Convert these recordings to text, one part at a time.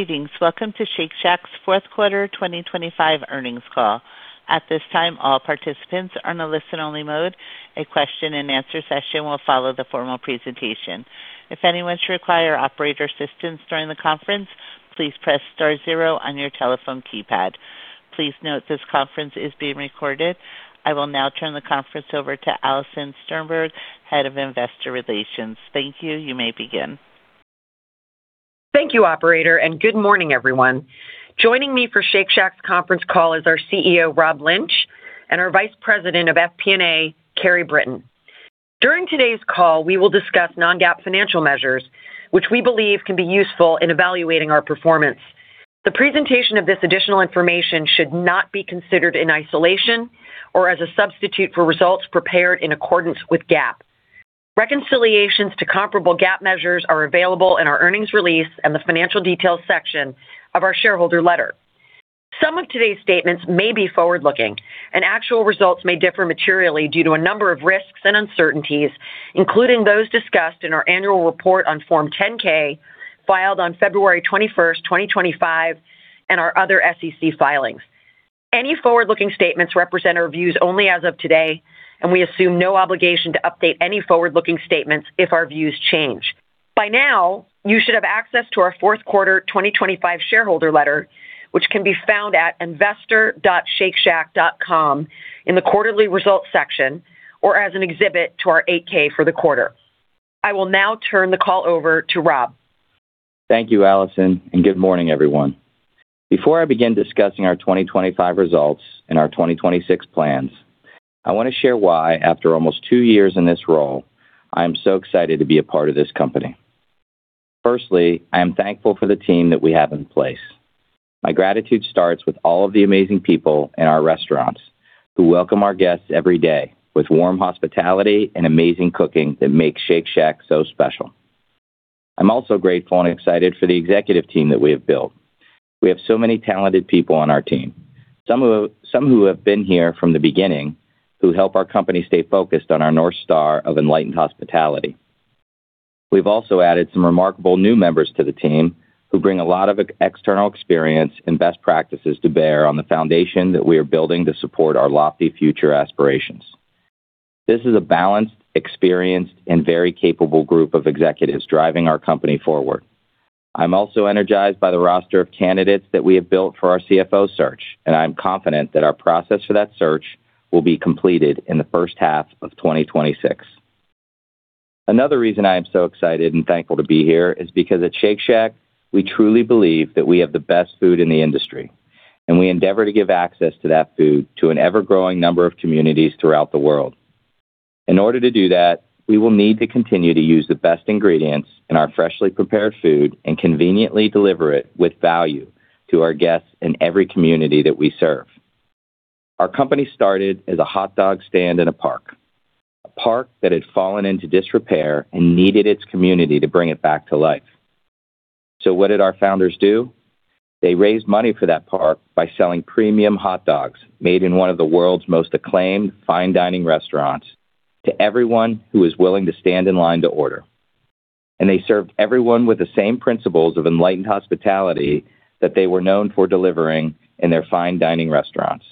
Greetings. Welcome to Shake Shack's Q4 2025 Earnings Call. At this time, all participants are on a listen-only mode. A question-and-answer session will follow the formal presentation. If anyone should require operator assistance during the conference, please press star zero on your telephone keypad. Please note, this conference is being recorded. I will now turn the conference over to Alison Sternberg, Head of Investor Relations. Thank you. You may begin. Thank you, operator. Good morning, everyone. Joining me for Shake Shack's conference call is our CEO, Rob Lynch, and our Vice President of FP&A, Kerry Britton. During today's call, we will discuss non-GAAP financial measures, which we believe can be useful in evaluating our performance. The presentation of this additional information should not be considered in isolation or as a substitute for results prepared in accordance with GAAP. ]Reconciliations to comparable GAAP measures are available in our earnings release and the Financial Details section of our shareholder letter. Some of today's statements may be forward-looking, and actual results may differ materially due to a number of risks and uncertainties, including those discussed in our Annual Report on Form 10-K, filed on February 21st, 2025, and our other SEC filings. Any forward-looking statements represent our views only as of today. We assume no obligation to update any forward-looking statements if our views change. By now, you should have access to our Q4 2025 shareholder letter, which can be found at investor.shakeshack.com in the Quarterly Results section or as an exhibit to our Form 8-K for the quarter. I will now turn the call over to Rob. Thank you, Alison, and good morning, everyone. Before I begin discussing our 2025 results and our 2026 plans, I want to share why, after almost two years in this role, I am so excited to be a part of this company. Firstly, I am thankful for the team that we have in place. My gratitude starts with all of the amazing people in our restaurants who welcome our guests every day with warm hospitality and amazing cooking that makes Shake Shack so special. I'm also grateful and excited for the executive team that we have built. We have so many talented people on our team, some who have been here from the beginning, who help our company stay focused on our North Star of Enlightened Hospitality. We've also added some remarkable new members to the team who bring a lot of external experience and best practices to bear on the foundation that we are building to support our lofty future aspirations. This is a balanced, experienced, and very capable group of executives driving our company forward. I'm also energized by the roster of candidates that we have built for our CFO search, and I'm confident that our process for that search will be completed in the first half of 2026. Another reason I am so excited and thankful to be here is because at Shake Shack, we truly believe that we have the best food in the industry, and we endeavor to give access to that food to an ever-growing number of communities throughout the world. In order to do that, we will need to continue to use the best ingredients in our freshly prepared food and conveniently deliver it with value to our guests in every community that we serve. Our company started as a hot dog stand in a park, a park that had fallen into disrepair and needed its community to bring it back to life. What did our founders do? They raised money for that park by selling premium hot dogs made in one of the world's most acclaimed fine dining restaurants, to everyone who is willing to stand in line to order. They served everyone with the same principles of Enlightened Hospitality that they were known for delivering in their fine dining restaurants.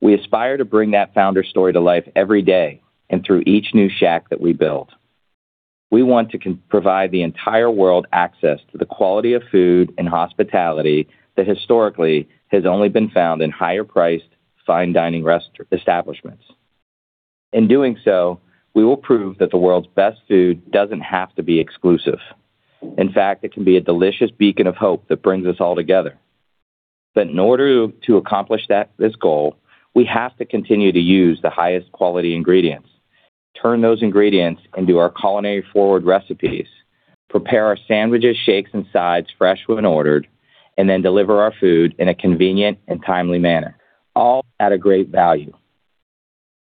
We aspire to bring that founder story to life every day and through each new shack that we build. We want to provide the entire world access to the quality of food and hospitality that historically has only been found in higher-priced, fine dining establishments. In doing so, we will prove that the world's best food doesn't have to be exclusive. In fact, it can be a delicious beacon of hope that brings us all together. In order to accomplish that, this goal, we have to continue to use the highest quality ingredients, turn those ingredients into our culinary forward recipes, prepare our sandwiches, shakes, and sides fresh when ordered, and then deliver our food in a convenient and timely manner, all at a great value.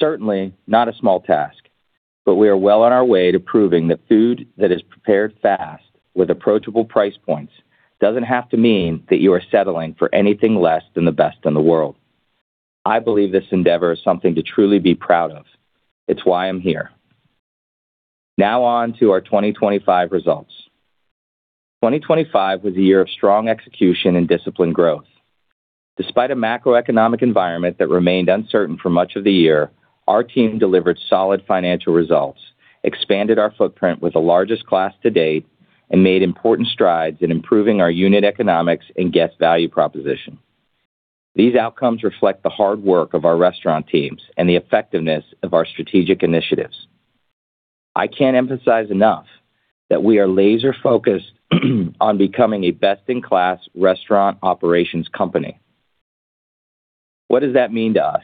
Certainly, not a small task, but we are well on our way to proving that food that is prepared fast with approachable price points doesn't have to mean that you are settling for anything less than the best in the world. I believe this endeavor is something to truly be proud of. It's why I'm here. Now on to our 2025 results. 2025 was a year of strong execution and disciplined growth. Despite a macroeconomic environment that remained uncertain for much of the year, our team delivered solid financial results, expanded our footprint with the largest class to date, and made important strides in improving our unit economics and guest value proposition. These outcomes reflect the hard work of our restaurant teams and the effectiveness of our strategic initiatives. I can't emphasize enough that we are laser focused on becoming a best-in-class restaurant operations company. What does that mean to us?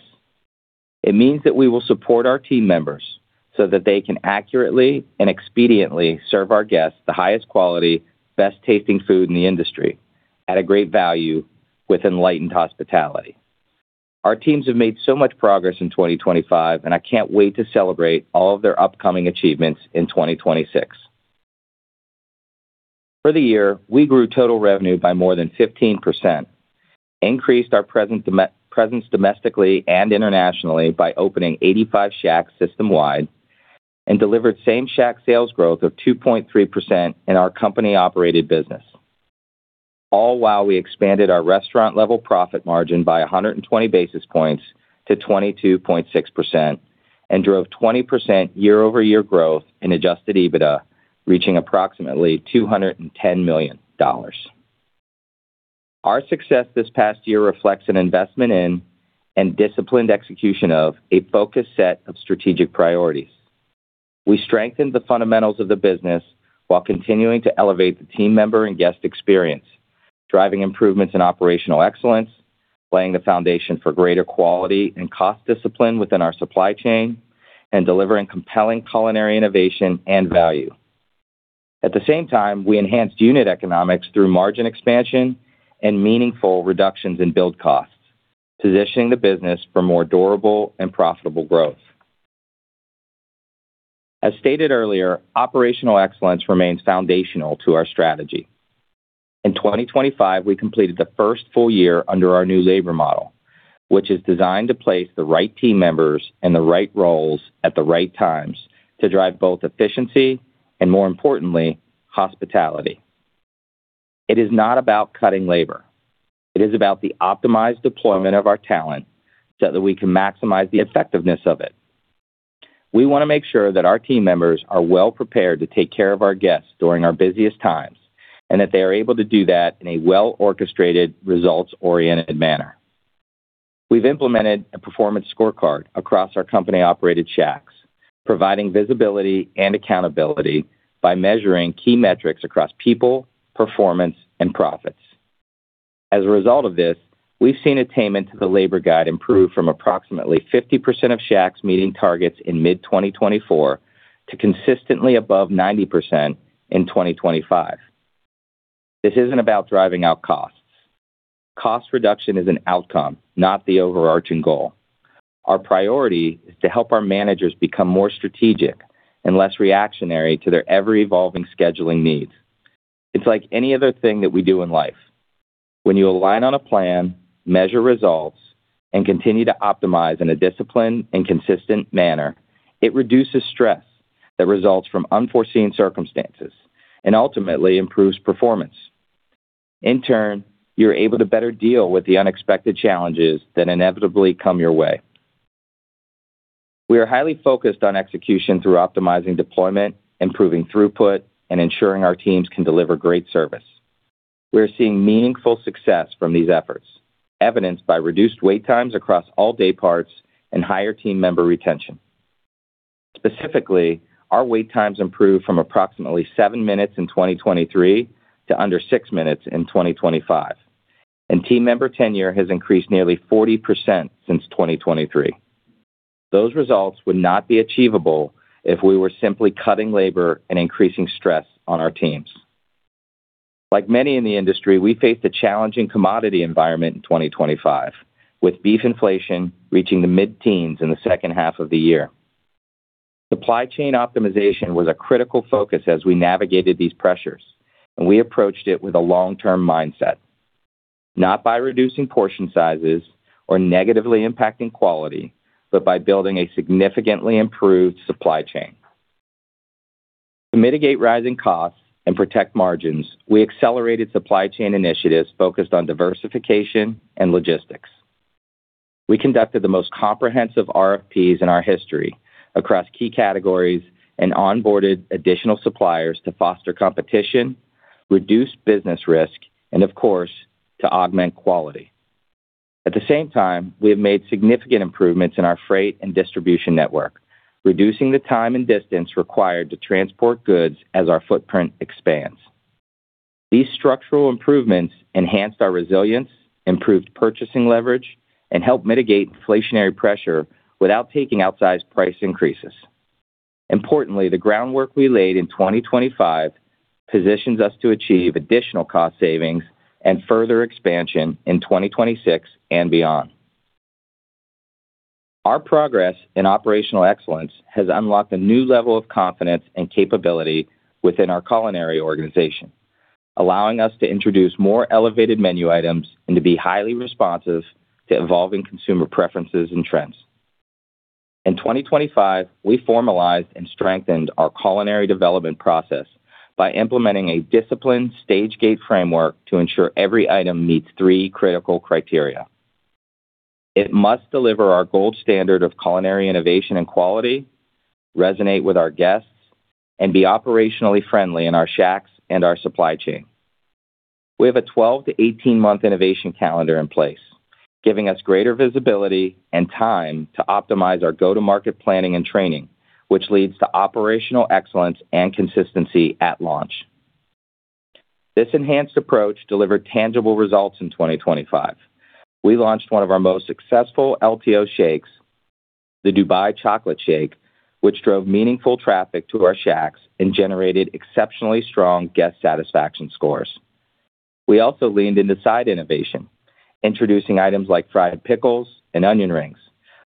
It means that we will support our team members so that they can accurately and expediently serve our guests the highest quality, best tasting food in the industry at a great value with Enlightened Hospitality. Our teams have made so much progress in 2025, and I can't wait to celebrate all of their upcoming achievements in 2026. For the year, we grew total revenue by more than 15%, increased our presence domestically and internationally by opening 85 Shacks system-wide, and delivered Same-Shack sales growth of 2.3% in our company-operated business, all while we expanded our Restaurant-level profit margin by 120 basis points to 22.6% and drove 20% YoY growth in Adjusted EBITDA, reaching approximately $210 million. Our success this past year reflects an investment in, and disciplined execution of, a focused set of strategic priorities. We strengthened the fundamentals of the business while continuing to elevate the team member and guest experience, driving improvements in operational excellence, laying the foundation for greater quality and cost discipline within our supply chain, and delivering compelling culinary innovation and value. At the same time, we enhanced unit economics through margin expansion and meaningful reductions in build costs, positioning the business for more durable and profitable growth. As stated earlier, operational excellence remains foundational to our strategy. In 2025, we completed the first full year under our new labor model, which is designed to place the right team members in the right roles at the right times to drive both efficiency and, more importantly, hospitality. It is not about cutting labor. It is about the optimized deployment of our talent so that we can maximize the effectiveness of it. We want to make sure that our team members are well-prepared to take care of our guests during our busiest times, and that they are able to do that in a well-orchestrated, results-oriented manner. We've implemented a performance scorecard across our company-operated Shacks, providing visibility and accountability by measuring key metrics across people, performance, and profits. As a result of this, we've seen attainment to the labor guide improve from approximately 50% of Shacks meeting targets in mid-2024 to consistently above 90% in 2025. This isn't about driving out costs. Cost reduction is an outcome, not the overarching goal. Our priority is to help our managers become more strategic and less reactionary to their ever-evolving scheduling needs. It's like any other thing that we do in life. When you align on a plan, measure results, and continue to optimize in a disciplined and consistent manner, it reduces stress that results from unforeseen circumstances and ultimately improves performance. In turn, you're able to better deal with the unexpected challenges that inevitably come your way. We are highly focused on execution through optimizing deployment, improving throughput, and ensuring our teams can deliver great service. We are seeing meaningful success from these efforts, evidenced by reduced wait times across all day parts and higher team member retention. Specifically, our wait times improved from approximately seven minutes in 2023 to under six minutes in 2025, and team member tenure has increased nearly 40% since 2023. Those results would not be achievable if we were simply cutting labor and increasing stress on our teams. Like many in the industry, we faced a challenging commodity environment in 2025, with beef inflation reaching the mid-teens in the second half of the year. Supply chain optimization was a critical focus as we navigated these pressures, and we approached it with a long-term mindset. Not by reducing portion sizes or negatively impacting quality, but by building a significantly improved supply chain. To mitigate rising costs and protect margins, we accelerated supply chain initiatives focused on diversification and logistics. We conducted the most comprehensive RFPs in our history across key categories and onboarded additional suppliers to foster competition, reduce business risk, and, of course, to augment quality. At the same time, we have made significant improvements in our freight and distribution network, reducing the time and distance required to transport goods as our footprint expands. These structural improvements enhanced our resilience, improved purchasing leverage, and helped mitigate inflationary pressure without taking outsized price increases. Importantly, the groundwork we laid in 2025 positions us to achieve additional cost savings and further expansion in 2026 and beyond. Our progress in operational excellence has unlocked a new level of confidence and capability within our culinary organization, allowing us to introduce more elevated menu items and to be highly responsive to evolving consumer preferences and trends. In 2025, we formalized and strengthened our culinary development process by implementing a disciplined Stage-Gate framework to ensure every item meets three critical criteria: It must deliver our gold standard of culinary innovation and quality, resonate with our guests, and be operationally friendly in our Shacks and our supply chain. We have a 12-18 month innovation calendar in place, giving us greater visibility and time to optimize our go-to-market planning and training, which leads to operational excellence and consistency at launch. This enhanced approach delivered tangible results in 2025. We launched 1 of our most successful LTO shakes, the Dubai Chocolate Shake, which drove meaningful traffic to our Shacks and generated exceptionally strong guest satisfaction scores. We also leaned into side innovation, introducing items like fried pickles and onion rings,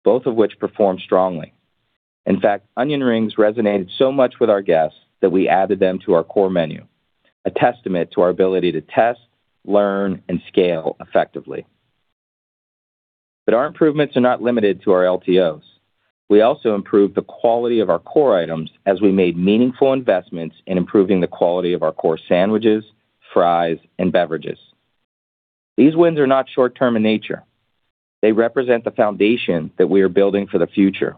both of which performed strongly. In fact, onion rings resonated so much with our guests that we added them to our core menu, a testament to our ability to test, learn, and scale effectively. Our improvements are not limited to our LTOs. We also improved the quality of our core items as we made meaningful investments in improving the quality of our core sandwiches, fries, and beverages. These wins are not short-term in nature. They represent the foundation that we are building for the future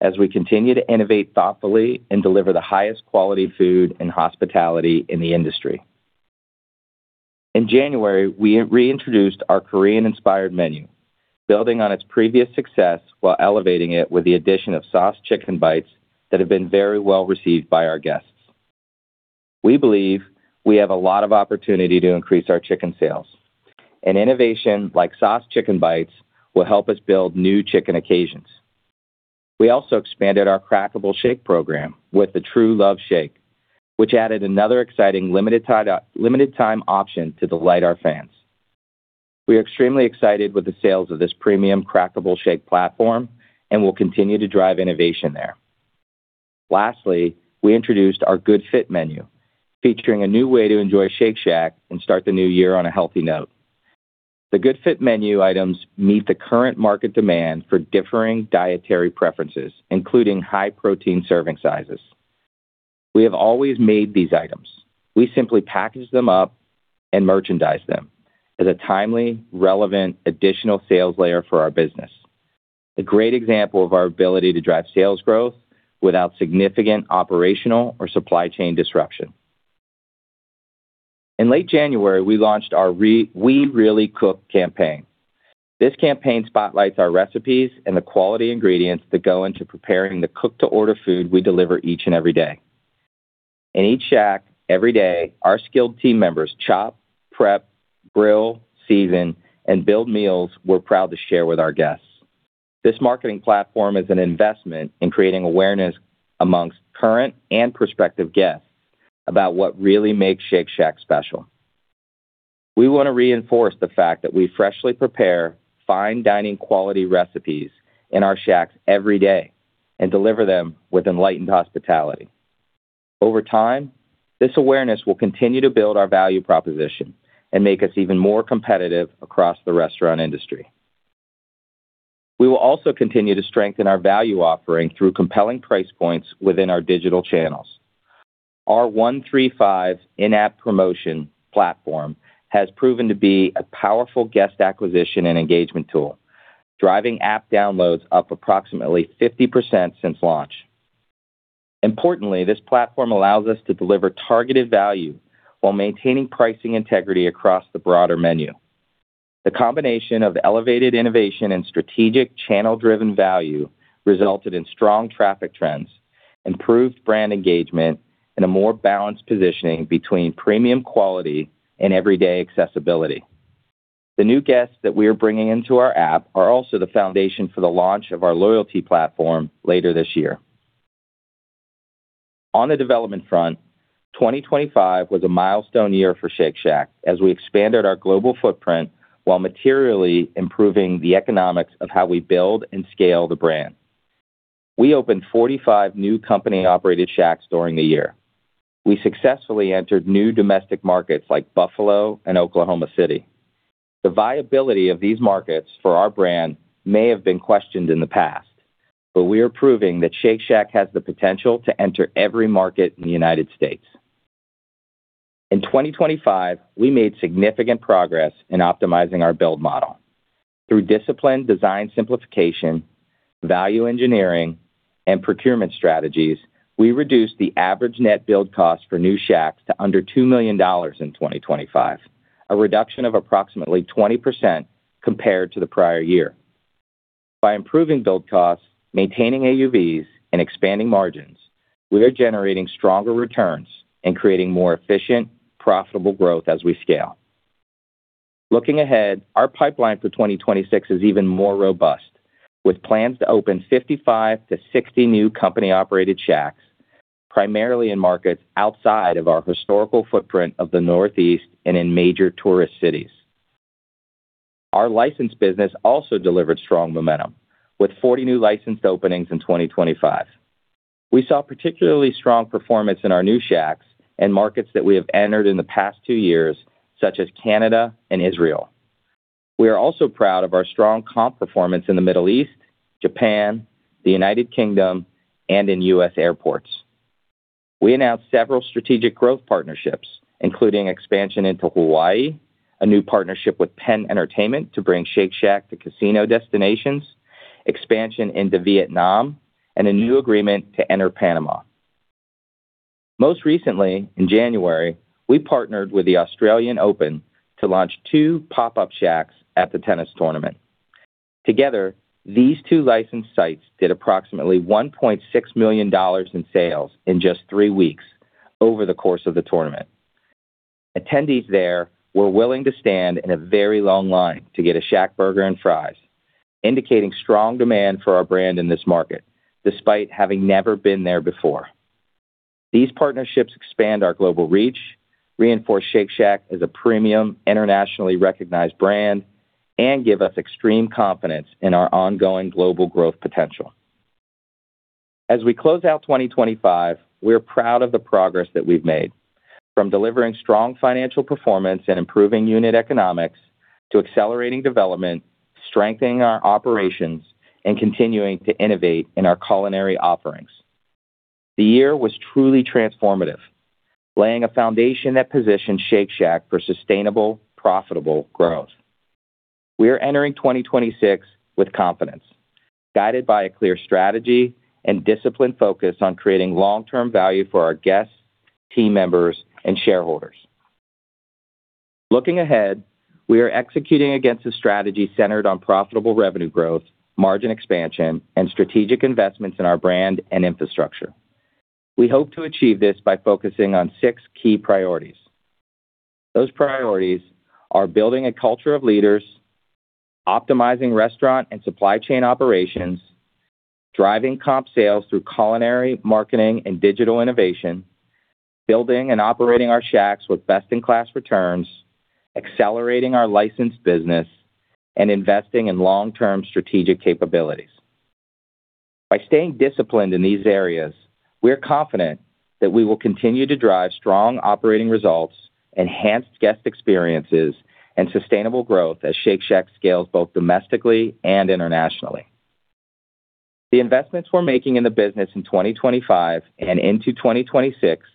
as we continue to innovate thoughtfully and deliver the highest quality food and hospitality in the industry. In January, we reintroduced our Korean-inspired menu, building on its previous success while elevating it with the addition of Saucy Chicken Bites that have been very well-received by our guests. We believe we have a lot of opportunity to increase our chicken sales. An innovation like Saucy Chicken Bites will help us build new chicken occasions. We also expanded our Crackable Shake program with the True Love Shake, which added another exciting limited time option to delight our fans. We are extremely excited with the sales of this premium Crackable Shake platform and will continue to drive innovation there. Lastly, we introduced our Good Fit Menu, featuring a new way to enjoy Shake Shack and start the new year on a healthy note. The Good Fit Menu items meet the current market demand for differing dietary preferences, including high-protein serving sizes. We have always made these items. We simply package them up and merchandise them as a timely, relevant, additional sales layer for our business. A great example of our ability to drive sales growth without significant operational or supply chain disruption. In late January, we launched our We Really Cook campaign. This campaign spotlights our recipes and the quality ingredients that go into preparing the cook-to-order food we deliver each and every day. In each Shack, every day, our skilled team members chop, prep, grill, season, and build meals we're proud to share with our guests. This marketing platform is an investment in creating awareness amongst current and prospective guests about what really makes Shake Shack special. We want to reinforce the fact that we freshly prepare fine dining quality recipes in our Shacks every day and deliver them with Enlightened Hospitality. Over time, this awareness will continue to build our value proposition and make us even more competitive across the restaurant industry. We will also continue to strengthen our value offering through compelling price points within our digital channels. Our $1, $3, $5 in-app promotion platform has proven to be a powerful guest acquisition and engagement tool, driving app downloads up approximately 50% since launch. Importantly, this platform allows us to deliver targeted value while maintaining pricing integrity across the broader menu. The combination of elevated innovation and strategic channel-driven value resulted in strong traffic trends, improved brand engagement, and a more balanced positioning between premium quality and everyday accessibility. The new guests that we are bringing into our app are also the foundation for the launch of our loyalty platform later this year. On the development front, 2025 was a milestone year for Shake Shack as we expanded our global footprint while materially improving the economics of how we build and scale the brand. We opened 45 new company-operated Shacks during the year. We successfully entered new domestic markets like Buffalo and Oklahoma City. The viability of these markets for our brand may have been questioned in the past, but we are proving that Shake Shack has the potential to enter every market in the United States. In 2025, we made significant progress in optimizing our build model. Through disciplined design simplification, value engineering, and procurement strategies, we reduced the average net build cost for new Shacks to under $2 million in 2025, a reduction of approximately 20% compared to the prior year. By improving build costs, maintaining AUVs, and expanding margins, we are generating stronger returns and creating more efficient, profitable growth as we scale. Looking ahead, our pipeline for 2026 is even more robust, with plans to open 55-60 new company-operated Shacks, primarily in markets outside of our historical footprint of the Northeast and in major tourist cities. Our licensed business also delivered strong momentum, with 40 new licensed openings in 2025. We saw particularly strong performance in our new Shacks and markets that we have entered in the past two years, such as Canada and Israel. We are also proud of our strong comp performance in the Middle East, Japan, the U.K., and in U.S. airports. We announced several strategic growth partnerships, including expansion into Hawaii, a new partnership with PENN Entertainment to bring Shake Shack to casino destinations, expansion into Vietnam, and a new agreement to enter Panama. Most recently, in January, we partnered with the Australian Open to launch two pop-up Shacks at the tennis tournament. Together, these two licensed sites did approximately $1.6 million in sales in just three weeks over the course of the tournament. Attendees there were willing to stand in a very long line to get a ShackBurger and fries, indicating strong demand for our brand in this market, despite having never been there before. These partnerships expand our global reach, reinforce Shake Shack as a premium, internationally recognized brand, and give us extreme confidence in our ongoing global growth potential. As we close out 2025, we're proud of the progress that we've made. From delivering strong financial performance and improving unit economics, to accelerating development, strengthening our operations, and continuing to innovate in our culinary offerings. The year was truly transformative, laying a foundation that positions Shake Shack for sustainable, profitable growth. We are entering 2026 with confidence, guided by a clear strategy and disciplined focus on creating long-term value for our guests, team members, and shareholders. Looking ahead, we are executing against a strategy centered on profitable revenue growth, margin expansion, and strategic investments in our brand and infrastructure. We hope to achieve this by focusing on six key priorities. Those priorities are building a culture of leaders, optimizing restaurant and supply chain operations, driving comp sales through culinary, marketing, and digital innovation, building and operating our Shacks with best-in-class returns, accelerating our licensed business, and investing in long-term strategic capabilities. By staying disciplined in these areas, we are confident that we will continue to drive strong operating results, enhanced guest experiences, and sustainable growth as Shake Shack scales both domestically and internationally. The investments we're making in the business in 2025 and into 2026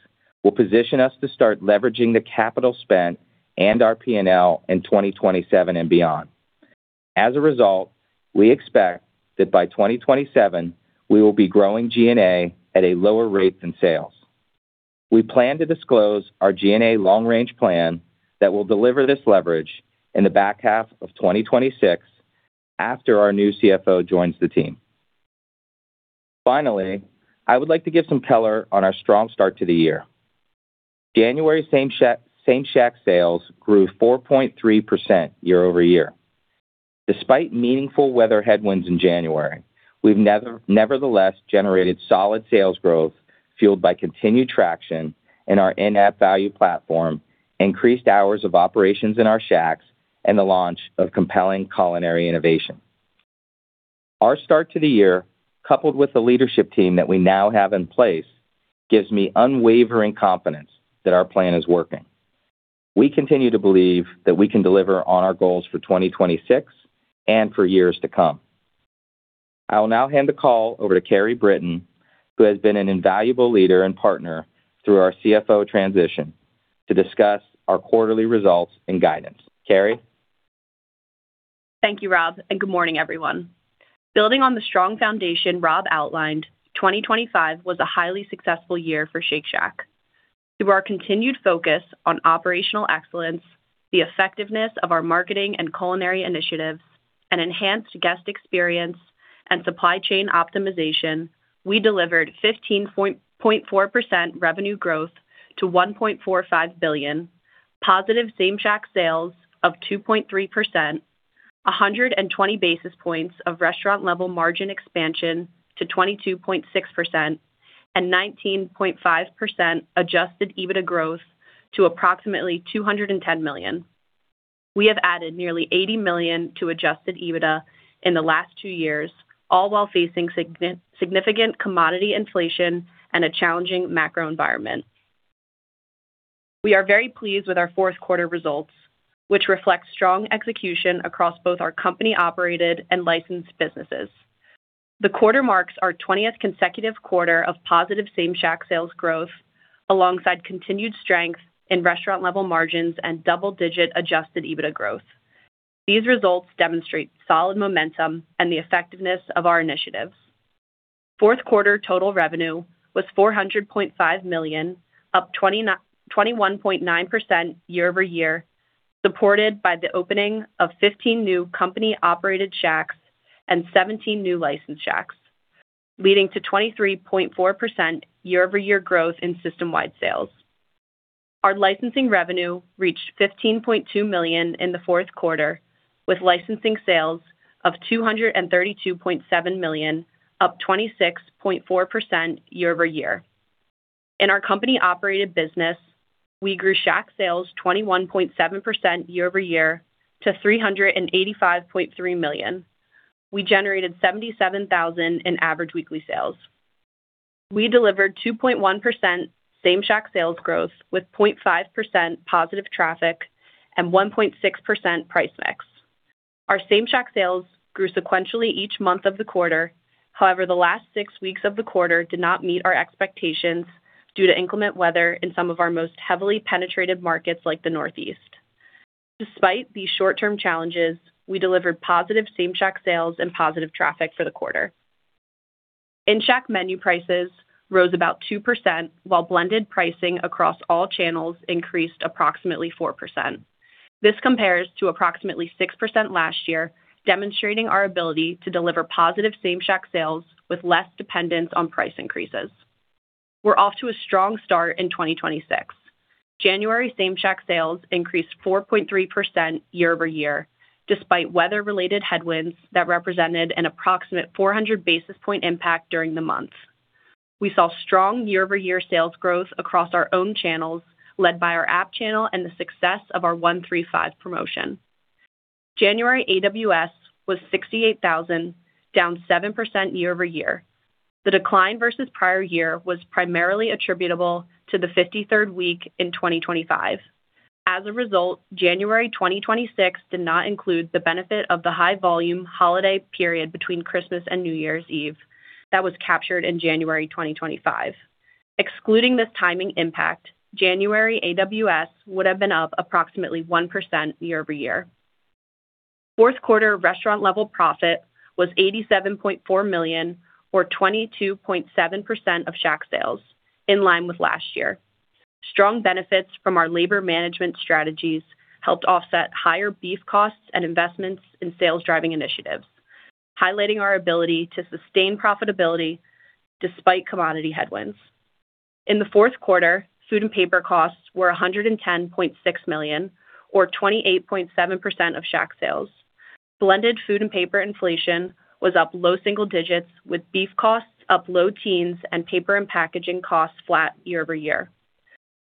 will position us to start leveraging the capital spent and our P&L in 2027 and beyond. As a result, we expect that by 2027, we will be growing G&A at a lower rate than sales. We plan to disclose our G&A long-range plan that will deliver this leverage in the back half of 2026 after our new CFO joins the team. I would like to give some color on our strong start to the year. January Same-Shack sales grew 4.3% YoY. Despite meaningful weather headwinds in January, we've nevertheless generated solid sales growth, fueled by continued traction in our in-app value platform, increased hours of operations in our Shacks, and the launch of compelling culinary innovation. Our start to the year, coupled with the leadership team that we now have in place, gives me unwavering confidence that our plan is working. We continue to believe that we can deliver on our goals for 2026 and for years to come. I will now hand the call over to Kerry Britton, who has been an invaluable leader and partner through our CFO transition, to discuss our quarterly results and guidance. Kerry? Thank you, Rob. Good morning, everyone. Building on the strong foundation Rob outlined, 2025 was a highly successful year for Shake Shack. Through our continued focus on operational excellence, the effectiveness of our marketing and culinary initiatives, and enhanced guest experience and supply chain optimization, we delivered 15.4% revenue growth to $1.45 billion, positive Same-Shack sales of 2.3%, 120 basis points of restaurant-level margin expansion to 22.6%, and 19.5% Adjusted EBITDA growth to approximately $210 million. We have added nearly $80 million to Adjusted EBITDA in the last two years, all while facing significant commodity inflation and a challenging macro environment. We are very pleased with our Q4 results, which reflect strong execution across both our company-operated and licensed businesses. The quarter marks our 20th consecutive quarter of positive Same-Shack sales growth, alongside continued strength in restaurant-level margins and double-digit Adjusted EBITDA growth. These results demonstrate solid momentum and the effectiveness of our initiatives. Q4 total revenue was $400.5 million, up 21.9% YoY, supported by the opening of 15 new company-operated Shacks and 17 new licensed Shacks, leading to 23.4% YoY growth in system-wide sales. Our licensing revenue reached $15.2 million in the Q4, with licensing sales of $232.7 million, up 26.4% YoY. In our company-operated business, we grew Shack sales 21.7% YoY to $385.3 million. We generated $77,000 in average weekly sales. We delivered 2.1% Same-Shack sales growth, with 0.5% positive traffic and 1.6% price mix. Our Same-Shack sales grew sequentially each month of the quarter. The last six weeks of the quarter did not meet our expectations due to inclement weather in some of our most heavily penetrated markets, like the Northeast. Despite these short-term challenges, we delivered positive Same-Shack sales and positive traffic for the quarter. In-Shack menu prices rose about 2%, while blended pricing across all channels increased approximately 4%. This compares to approximately 6% last year, demonstrating our ability to deliver positive Same-Shack sales with less dependence on price increases. We're off to a strong start in 2026. January Same-Shack sales increased 4.3% YoY, despite weather-related headwinds that represented an approximate 400 basis point impact during the month. We saw strong YoY sales growth across our own channels, led by our app channel and the success of our $1, $3, $5 promotion. January AWS was $68,000, down 7% YoY. The decline versus prior year was primarily attributable to the 53rd week in 2025. January 2026 did not include the benefit of the high volume holiday period between Christmas and New Year's Eve that was captured in January 2025. Excluding this timing impact, January AWS would have been up approximately 1% YoY. Q4 restaurant-level profit was $87.4 million, or 22.7% of Shack sales, in line with last year. Strong benefits from our labor management strategies helped offset higher beef costs and investments in sales-driving initiatives, highlighting our ability to sustain profitability despite commodity headwinds. In the Q4, food and paper costs were $110.6 million, or 28.7% of Shack sales. Blended food and paper inflation was up low single digits, with beef costs up low teens and paper and packaging costs flat YoY.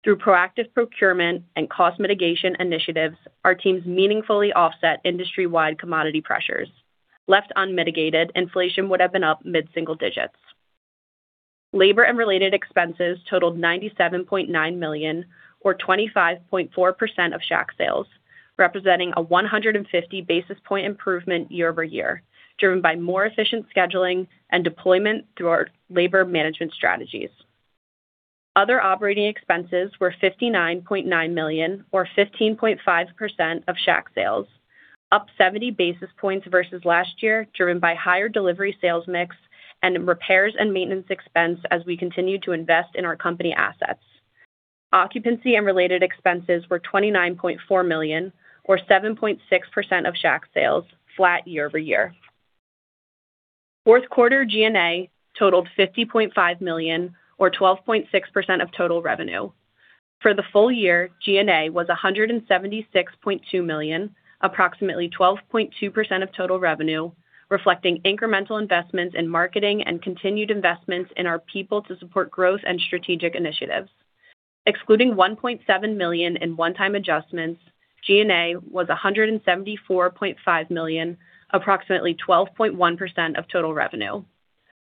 Through proactive procurement and cost mitigation initiatives, our teams meaningfully offset industry-wide commodity pressures. Left unmitigated, inflation would have been up mid-single digits. Labor and related expenses totaled $97.9 million or 25.4% of Shack sales, representing a 150 basis point improvement YoY, driven by more efficient scheduling and deployment through our labor management strategies. Other OpEx were $59.9 million or 15.5% of Shack sales, up 70 basis points versus last year, driven by higher delivery sales mix and repairs and maintenance expense as we continue to invest in our company assets. Occupancy and related expenses were $29.4 million or 7.6% of Shack sales, flat YoY. Q4 G&A totaled $50.5 million or 12.6% of total revenue. For the full year, G&A was $176.2 million, approximately 12.2% of total revenue, reflecting incremental investments in marketing and continued investments in our people to support growth and strategic initiatives. Excluding $1.7 million in one-time adjustments, G&A was $174.5 million, approximately 12.1% of total revenue.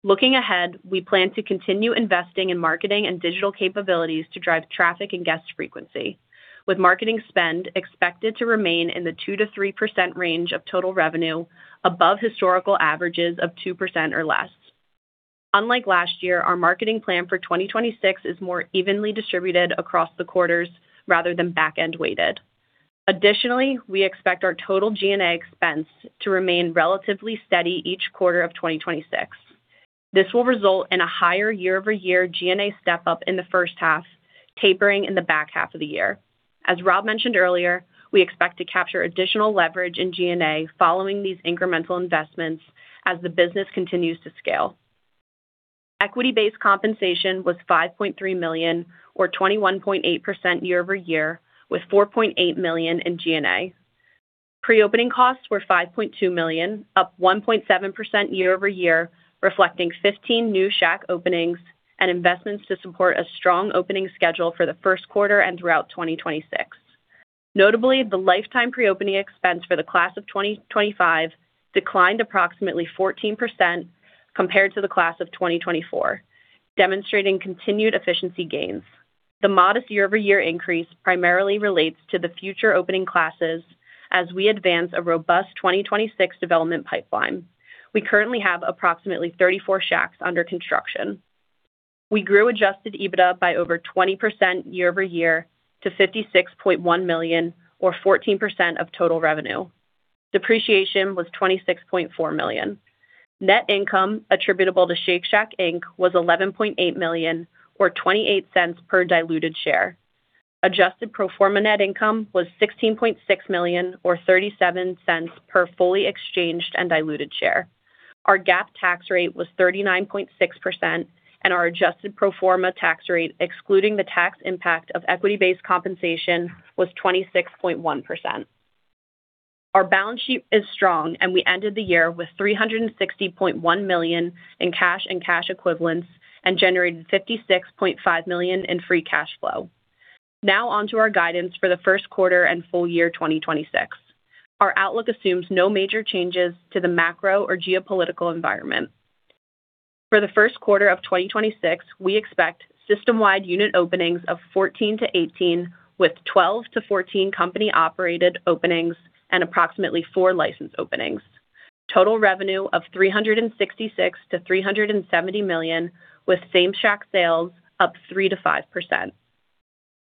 Looking ahead, we plan to continue investing in marketing and digital capabilities to drive traffic and guest frequency, with marketing spend expected to remain in the 2%-3% range of total revenue above historical averages of 2% or less. Unlike last year, our marketing plan for 2026 is more evenly distributed across the quarters rather than back-end weighted. We expect our total G&A expense to remain relatively steady each quarter of 2026. This will result in a higher YoY G&A step-up in the first half, tapering in the back half of the year. As Rob mentioned earlier, we expect to capture additional leverage in G&A following these incremental investments as the business continues to scale. Equity-based compensation was $5.3 million or 21.8% YoY, with $4.8 million in G&A. Pre-opening costs were $5.2 million, up 1.7% YoY, reflecting 15 new Shack openings and investments to support a strong opening schedule for the Q1 and throughout 2026. Notably, the lifetime pre-opening expense for the class of 2025 declined approximately 14% compared to the class of 2024, demonstrating continued efficiency gains. The modest YoY increase primarily relates to the future opening classes as we advance a robust 2026 development pipeline. We currently have approximately 34 Shacks under construction. We grew Adjusted EBITDA by over 20% YoY to $56.1 million or 14% of total revenue. Depreciation was $26.4 million. Net income attributable to Shake Shack Inc. was $11.8 million or $0.28 per diluted share. Adjusted pro forma net income was $16.6 million or $0.37 per fully exchanged and diluted share. Our GAAP tax rate was 39.6%, and our adjusted pro forma tax rate, excluding the tax impact of equity-based compensation, was 26.1%. Our balance sheet is strong, and we ended the year with $360.1 million in cash and cash equivalents and generated $56.5 million in free cash flow. Now on to our guidance for the Q1 and full year 2026. Our outlook assumes no major changes to the macro or geopolitical environment. For the Q1 of 2026, we expect system-wide unit openings of 14-18, with 12-14 company-operated openings and approximately four licensed openings. Total revenue of $366 million-$370 million, with Same-Shack sales up 3%-5%,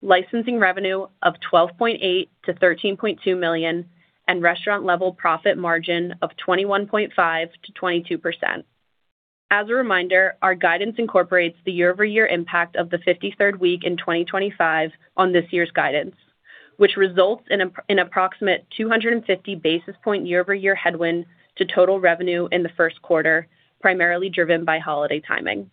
licensing revenue of $12.8 million-$13.2 million, and restaurant-level profit margin of 21.5%-22%. As a reminder, our guidance incorporates the YoY impact of the 53rd week in 2025 on this year's guidance, which results in an approximate 250 basis point YoY headwind to total revenue in the Q1, primarily driven by holiday timing.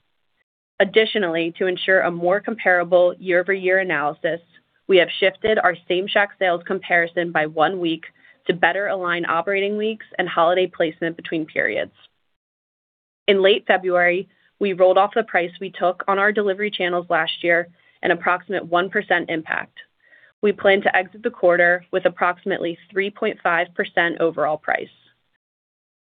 To ensure a more comparable YoY analysis, we have shifted our Same-Shack sales comparison by one week to better align operating weeks and holiday placement between periods. In late February, we rolled off the price we took on our delivery channels last year, an approximate 1% impact. We plan to exit the quarter with approximately 3.5% overall price.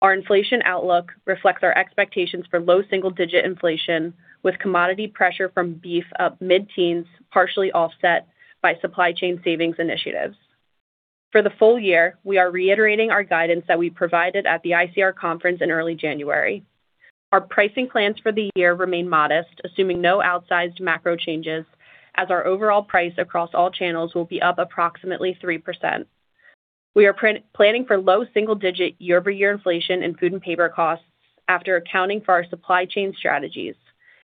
Our inflation outlook reflects our expectations for low single-digit inflation, with commodity pressure from beef up mid-teens, partially offset by supply chain savings initiatives. For the full year, we are reiterating our guidance that we provided at the ICR conference in early January. Our pricing plans for the year remain modest, assuming no outsized macro changes, as our overall price across all channels will be up approximately 3%. We are planning for low single-digit YoY inflation in food and paper costs after accounting for our supply chain strategies.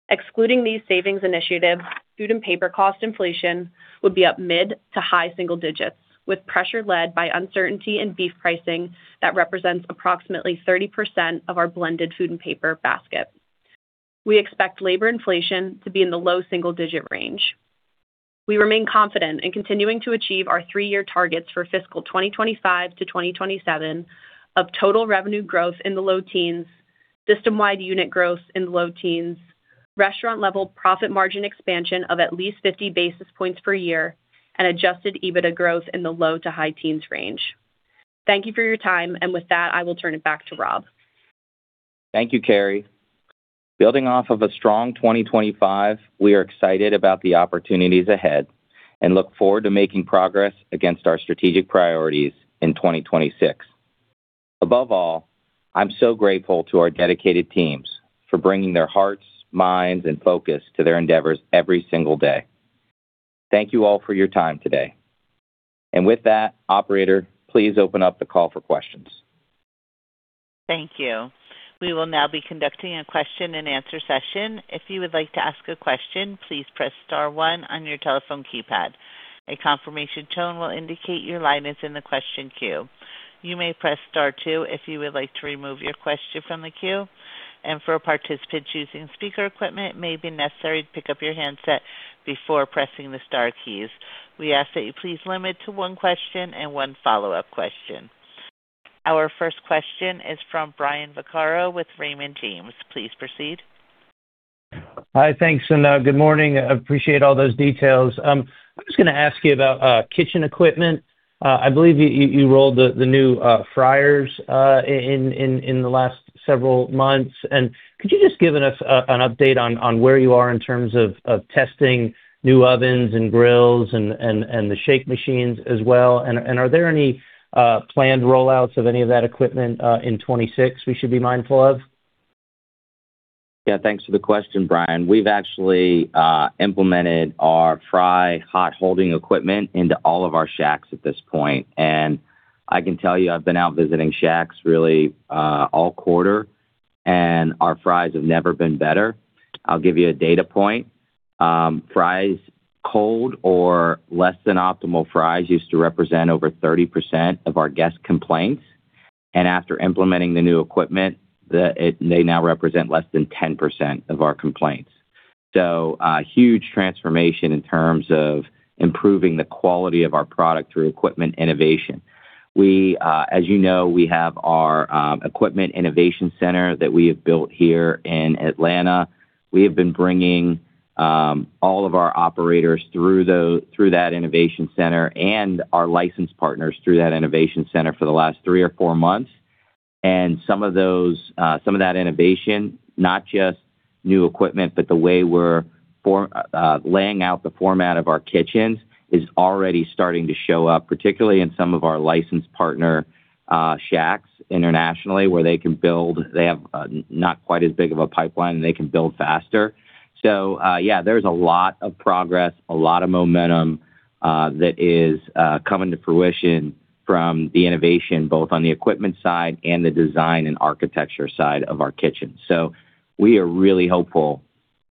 Excluding these savings initiatives, food and paper cost inflation would be up mid to high single digits, with pressure led by uncertainty in beef pricing that represents approximately 30% of our blended food and paper basket. We expect labor inflation to be in the low single-digit range. We remain confident in continuing to achieve our three-year targets for fiscal 2025-2027 of total revenue growth in the low teens, system-wide unit growth in the low teens, Restaurant-level profit margin expansion of at least 50 basis points per year, and Adjusted EBITDA growth in the low to high teens range. Thank you for your time. With that, I will turn it back to Rob. Thank you, Kerry. Building off of a strong 2025, we are excited about the opportunities ahead and look forward to making progress against our strategic priorities in 2026. Above all, I'm so grateful to our dedicated teams for bringing their hearts, minds and focus to their endeavors every single day. Thank you all for your time today. With that, operator, please open up the call for questions. Thank you. We will now be conducting a question-and-answer session. If you would like to ask a question, please press star one on your telephone keypad. A confirmation tone will indicate your line is in the question queue. You may press star two if you would like to remove your question from the queue. For participants using speaker equipment, it may be necessary to pick up your handset before pressing the star keys. We ask that you please limit to one question and one follow-up question. Our first question is from Brian Vaccaro with Raymond James. Please proceed. Hi, thanks, and good morning. I appreciate all those details. I'm just going to ask you about kitchen equipment. I believe you rolled the new fryers in the last several months. Could you just give us an update on where you are in terms of testing new ovens and grills and the shake machines as well? Are there any planned rollouts of any of that equipment in 2026 we should be mindful of? Yeah, thanks for the question, Brian. We've actually implemented our fry hot-holding equipment into all of our Shacks at this point. I can tell you I've been out visiting Shacks really all quarter. Our fries have never been better. I'll give you a data point. Fries, cold or less than optimal fries used to represent over 30% of our guest complaints. After implementing the new equipment, they now represent less than 10% of our complaints. A huge transformation in terms of improving the quality of our product through equipment innovation. We, as you know, we have our equipment innovation center that we have built here in Atlanta. We have been bringing all of our operators through that innovation center and our licensed partners through that innovation center for the last three or four months. Some of those, some of that innovation, not just new equipment, but the way we're laying out the format of our kitchens, is already starting to show up, particularly in some of our licensed partner Shacks internationally, where they can build. They have not quite as big of a pipeline, and they can build faster. Yeah, there's a lot of progress, a lot of momentum that is coming to fruition from the innovation, both on the equipment side and the design and architecture side of our kitchen. We are really hopeful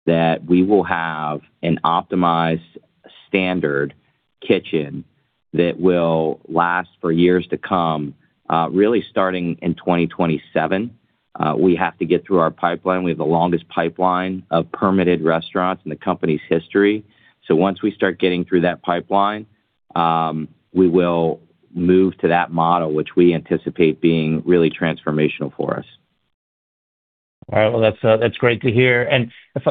that we will have an optimized standard kitchen that will last for years to come, really starting in 2027. We have to get through our pipeline. We have the longest pipeline of permitted restaurants in the company's history. Once we start getting through that pipeline, we will move to that model, which we anticipate being really transformational for us. All right. Well, that's great to hear.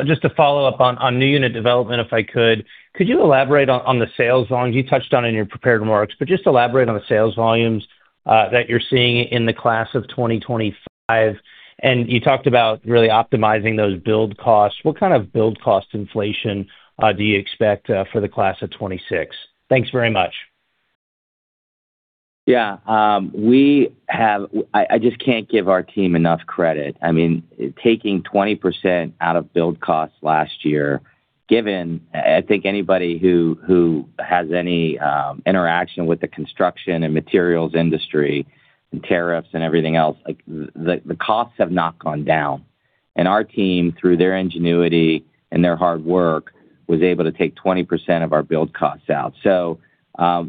Just to follow up on new unit development, if I could, you elaborate on the sales volumes? You touched on it in your prepared remarks, but just elaborate on the sales volumes that you're seeing in the class of 2025. You talked about really optimizing those build costs. What kind of build cost inflation do you expect for the class of 2026? Thanks very much. I just can't give our team enough credit. I mean, taking 20% out of build costs last year, given, I think anybody who has any interaction with the construction and materials industry, and tariffs and everything else, like, the costs have not gone down. Our team, through their ingenuity and their hard work, was able to take 20% of our build costs out.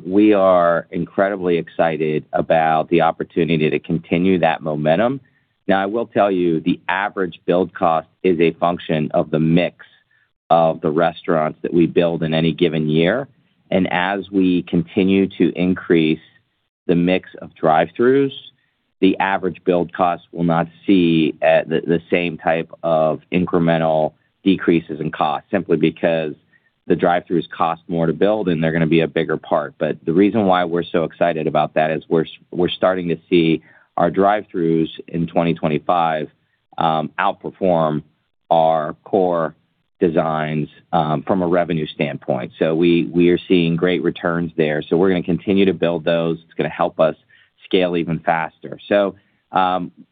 We are incredibly excited about the opportunity to continue that momentum. Now, I will tell you, the average build cost is a function of the mix of the restaurants that we build in any given year. As we continue to increase the mix of drive-throughs, the average build cost will not see the same type of incremental decreases in cost, simply because the drive-throughs cost more to build, and they're gonna be a bigger part. The reason why we're so excited about that is we're starting to see our drive-throughs in 2025 outperform our core designs from a revenue standpoint. We are seeing great returns there, so we're gonna continue to build those. It's gonna help us scale even faster.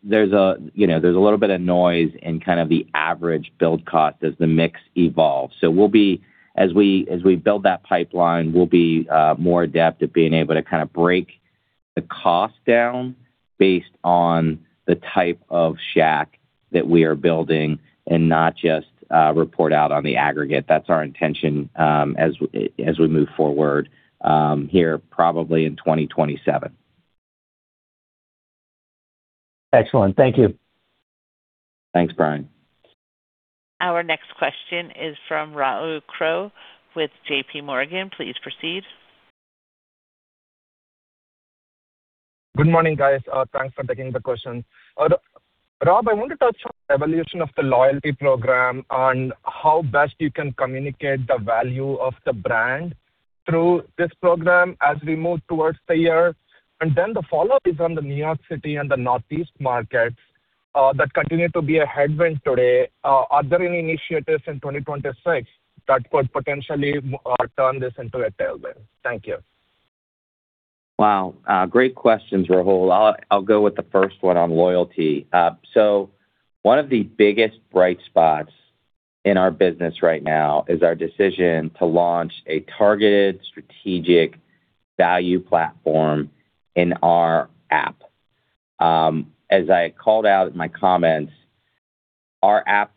There's a, you know, there's a little bit of noise in kind of the average build cost as the mix evolves. We'll be as we build that pipeline, we'll be more adept at being able to kind of break the cost down based on the type of Shack that we are building and not just report out on the aggregate. That's our intention as we move forward here, probably in 2027. Excellent. Thank you. Thanks, Brian. Our next question is from Rahul Crowe with JPMorgan. Please proceed. Good morning, guys. Thanks for taking the question. Rob, I want to touch on evolution of the loyalty program and how best you can communicate the value of the brand through this program as we move towards the year. The follow-up is on the New York City and the Northeast market that continue to be a headwind today. Are there any initiatives in 2026 that could potentially turn this into a tailwind? Thank you. Wow! Great questions, Rahul. I'll go with the first one on loyalty. One of the biggest bright spots in our business right now is our decision to launch a targeted strategic value platform in our app. As I called out in my comments, our app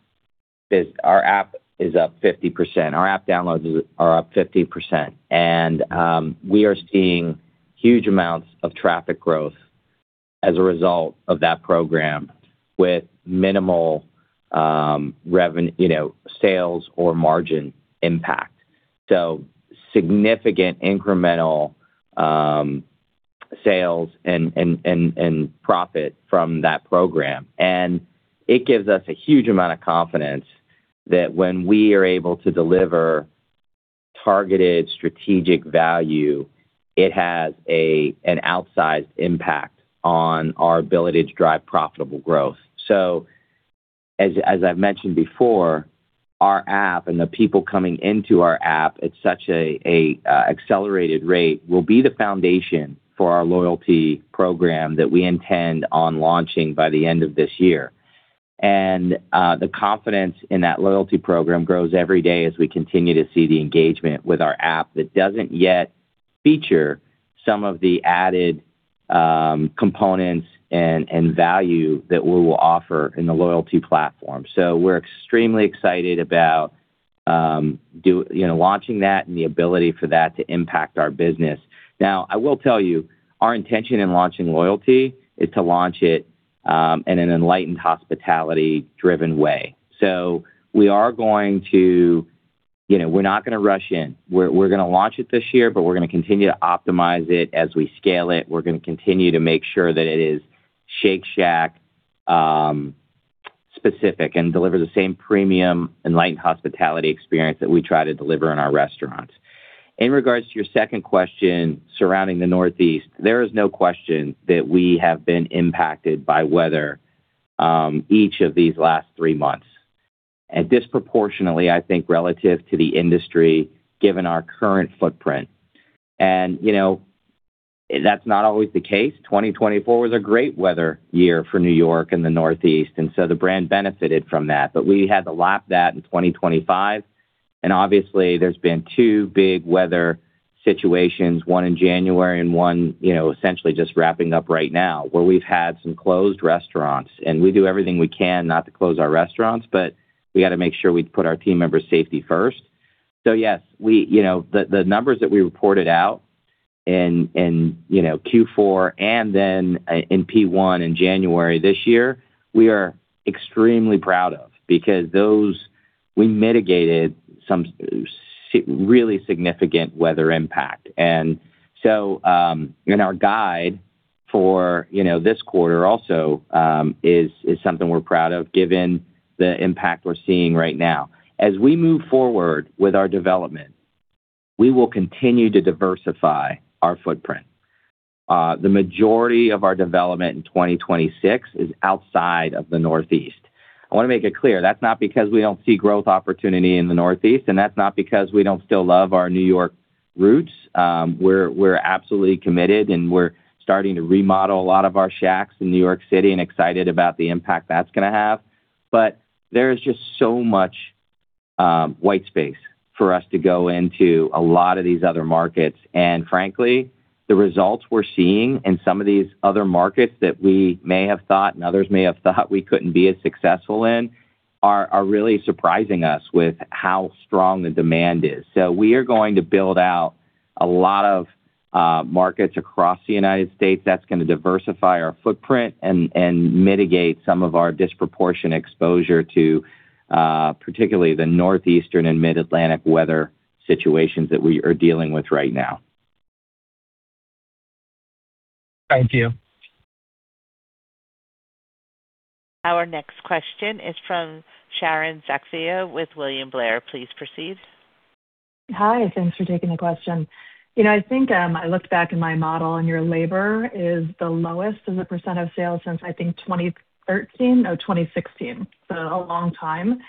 is up 50%. Our app downloads are up 50%, and we are seeing huge amounts of traffic growth as a result of that program with minimal, you know, sales or margin impact. Significant incremental sales and profit from that program. It gives us a huge amount of confidence that when we are able to deliver targeted strategic value, it has an outsized impact on our ability to drive profitable growth. As I've mentioned before, our app and the people coming into our app at such an accelerated rate will be the foundation for our loyalty program that we intend on launching by the end of this year. The confidence in that loyalty program grows every day as we continue to see the engagement with our app that doesn't yet feature some of the added components and value that we will offer in the loyalty platform. We're extremely excited about, you know, launching that and the ability for that to impact our business. I will tell you, our intention in launching loyalty is to launch it in an Enlightened Hospitality-driven way. You know, we're not gonna rush in. We're gonna launch it this year, but we're gonna continue to optimize it as we scale it. We're gonna continue to make sure that it is Shake Shack specific and deliver the same premium, Enlightened Hospitality experience that we try to deliver in our restaurants. In regards to your second question surrounding the Northeast, there is no question that we have been impacted by weather each of these last three months, and disproportionately, I think, relative to the industry, given our current footprint. You know, that's not always the case. 2024 was a great weather year for New York and the Northeast, and so the brand benefited from that. We had to lap that in 2025, and obviously, there's been two big weather situations, one in January and one, you know, essentially just wrapping up right now, where we've had some closed restaurants. We do everything we can not to close our restaurants, but we got to make sure we put our team members' safety first. Yes, we, you know, the numbers that we reported out in, you know, Q4 and then in P1 in January this year, we are extremely proud of, because those we mitigated some really significant weather impact. Our guide for, you know, this quarter also is something we're proud of, given the impact we're seeing right now. As we move forward with our development, we will continue to diversify our footprint. The majority of our development in 2026 is outside of the Northeast. I want to make it clear, that's not because we don't see growth opportunity in the Northeast, and that's not because we don't still love our New York roots. We're absolutely committed. We're starting to remodel a lot of our Shacks in New York City and excited about the impact that's gonna have. There is just so much white space for us to go into a lot of these other markets. Frankly, the results we're seeing in some of these other markets that we may have thought and others may have thought we couldn't be as successful in, are really surprising us with how strong the demand is. We are going to build out a lot of markets across the United States. That's gonna diversify our footprint and mitigate some of our disproportionate exposure to particularly the Northeastern and Mid-Atlantic weather situations that we are dealing with right now. Thank you. Our next question is from Sharon Zackfia with William Blair. Please proceed. Hi, thanks for taking the question. You know, I think, I looked back in my model, and your labor is the lowest as a percentage of sales since I think 2013 or 2016, so a long time.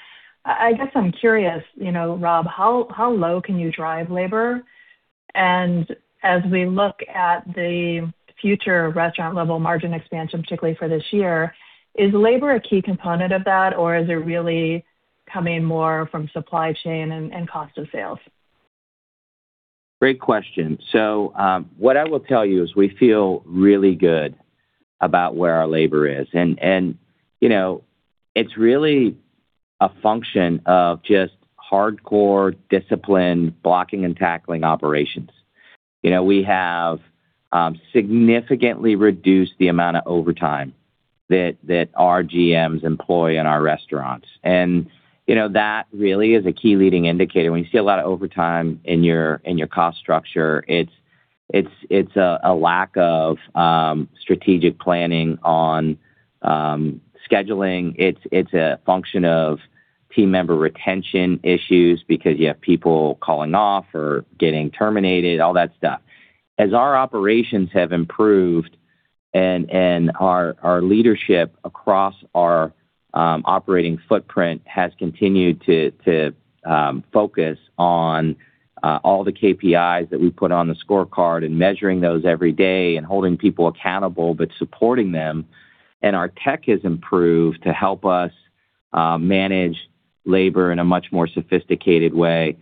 I guess I'm curious, you know, Rob, how low can you drive labor? As we look at the future restaurant-level margin expansion, particularly for this year, is labor a key component of that, or is it really coming more from supply chain and cost of sales? Great question. What I will tell you is we feel really good about where our labor is. You know, it's really a function of just hardcore discipline, blocking and tackling operations. You know, we have significantly reduced the amount of overtime that our GMs employ in our restaurants. You know, that really is a key leading indicator. When you see a lot of overtime in your cost structure, it's a lack of strategic planning on scheduling. It's a function of team member retention issues because you have people calling off or getting terminated, all that stuff. As our operations have improved and our leadership across our operating footprint has continued to focus on all the KPIs that we put on the scorecard, and measuring those every day, and holding people accountable, but supporting them, and our tech has improved to help us manage labor in a much more sophisticated way,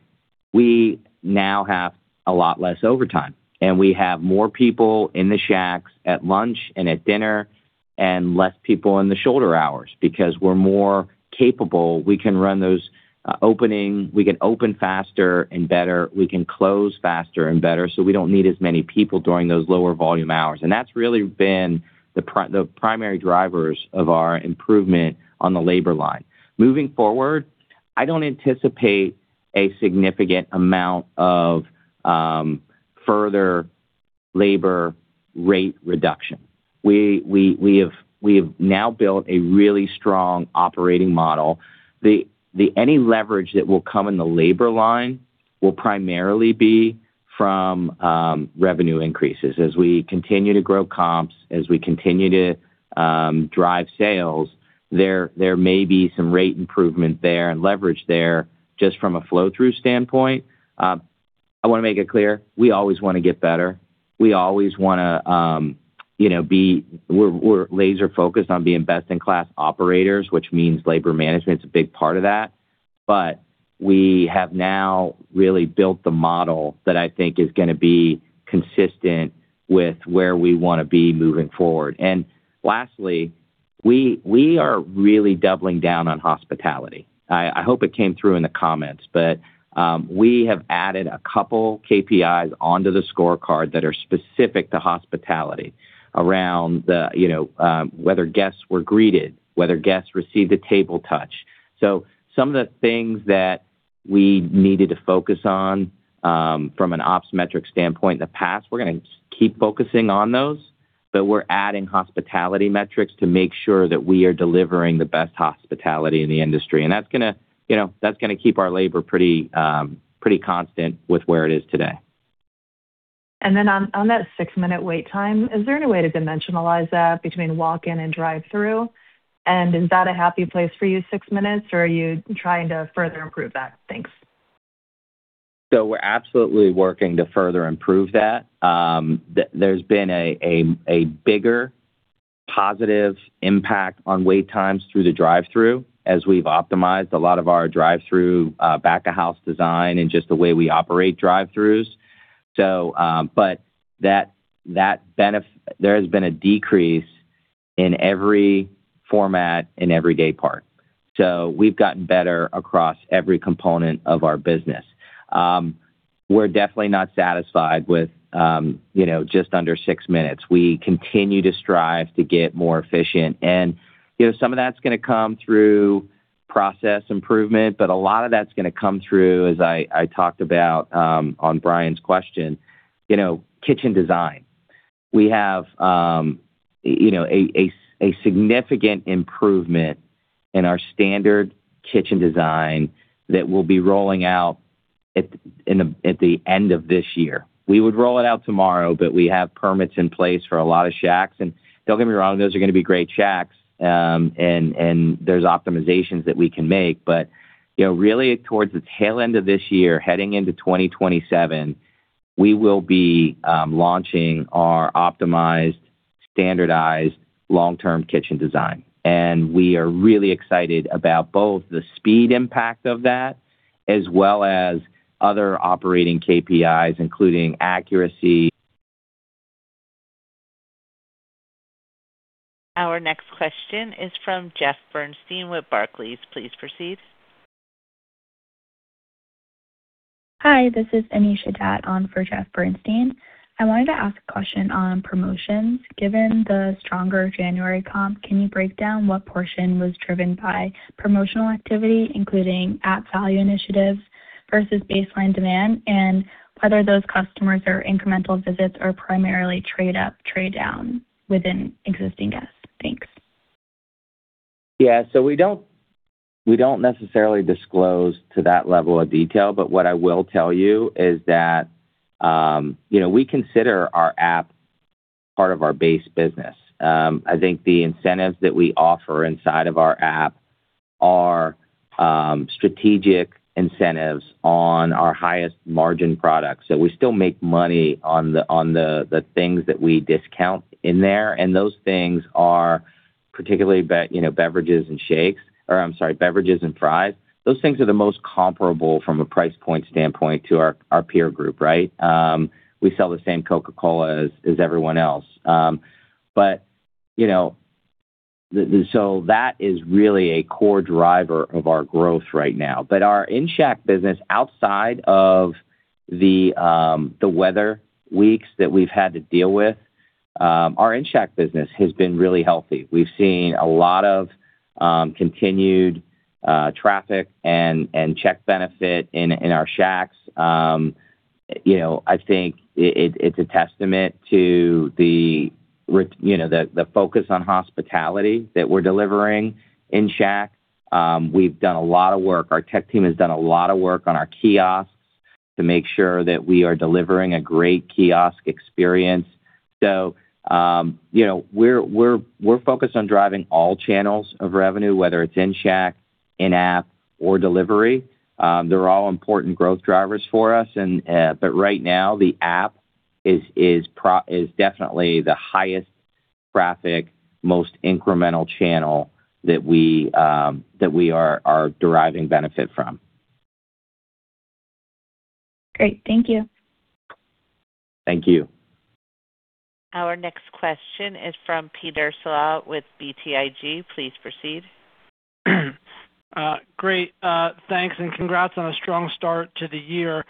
we now have a lot less overtime. We have more people in the Shacks at lunch and at dinner, and less people in the shoulder hours. We're more capable, we can run those, we can open faster and better. We can close faster and better, so we don't need as many people during those lower volume hours. That's really been the primary drivers of our improvement on the labor line. Moving forward, I don't anticipate a significant amount of further labor rate reduction. We have now built a really strong operating model. Any leverage that will come in the labor line will primarily be from revenue increases. As we continue to grow comps, as we continue to drive sales, there may be some rate improvement there and leverage there, just from a flow-through standpoint. I wanna make it clear, we always wanna get better. We always wanna, you know, we're laser focused on being best-in-class operators, which means labor management's a big part of that. We have now really built the model that I think is gonna be consistent with where we wanna be moving forward. Lastly, we are really doubling down on hospitality. I hope it came through in the comments, but we have added a couple KPIs onto the scorecard that are specific to hospitality, around the, you know, whether guests were greeted, whether guests received a table touch. Some of the things that we needed to focus on from an ops metric standpoint in the past, we're gonna keep focusing on those. We're adding hospitality metrics to make sure that we are delivering the best hospitality in the industry, and that's gonna, you know, that's gonna keep our labor pretty constant with where it is today. Then on that six-minute wait time, is there any way to dimensionalize that between walk-in and drive-through? Is that a happy place for you, 6 minutes, or are you trying to further improve that? Thanks. We're absolutely working to further improve that. There's been a bigger positive impact on wait times through the drive-through, as we've optimized a lot of our drive-through back-of-house design and just the way we operate drive-throughs. But that there has been a decrease in every format and every day part. We've gotten better across every component of our business. We're definitely not satisfied with, you know, just under six minutes. We continue to strive to get more efficient. You know, some of that's gonna come through process improvement, but a lot of that's gonna come through, as I talked about on Brian's question, you know, kitchen design. We have, you know, a significant improvement in our standard kitchen design that we'll be rolling out at the end of this year. We would roll it out tomorrow, but we have permits in place for a lot of Shacks. Don't get me wrong, those are gonna be great Shacks. And there's optimizations that we can make. You know, really towards the tail end of this year, heading into 2027, we will be launching our optimized, standardized, long-term kitchen design. We are really excited about both the speed impact of that, as well as other operating KPIs, including accuracy. Our next question is from Jeffrey Bernstein with Barclays. Please proceed. Hi, this is Anisha Dattani on for Jeffrey Bernstein. I wanted to ask a question on promotions. Given the stronger January comp, can you break down what portion was driven by promotional activity, including app value initiatives versus baseline demand, and whether those customers are incremental visits or primarily trade up, trade down within existing guests? Thanks. Yeah, we don't, we don't necessarily disclose to that level of detail, but what I will tell you is that, you know, we consider our app part of our base business. I think the incentives that we offer inside of our app are strategic incentives on our highest margin products. We still make money on the things that we discount in there, and those things are particularly you know, beverages and shakes, or I'm sorry, beverages and fries. Those things are the most comparable from a price point standpoint to our peer group, right? We sell the same Coca-Cola as everyone else. That is really a core driver of our growth right now. Our in-shack business, outside of the weather weeks that we've had to deal with, our in-shack business has been really healthy. We've seen a lot of continued traffic and check benefit in our shacks. You know, I think it's a testament to the you know, the focus on hospitality that we're delivering in shack. We've done a lot of work. Our tech team has done a lot of work on our kiosks to make sure that we are delivering a great kiosk experience. You know, we're focused on driving all channels of revenue, whether it's in shack, in app, or delivery. They're all important growth drivers for us, and right now, the app is definitely the highest traffic, most incremental channel that we, that we are deriving benefit from. Great. Thank you. Thank you. Our next question is from Peter Saleh with BTIG. Please proceed. Great. Thanks, congrats on a strong start to the year.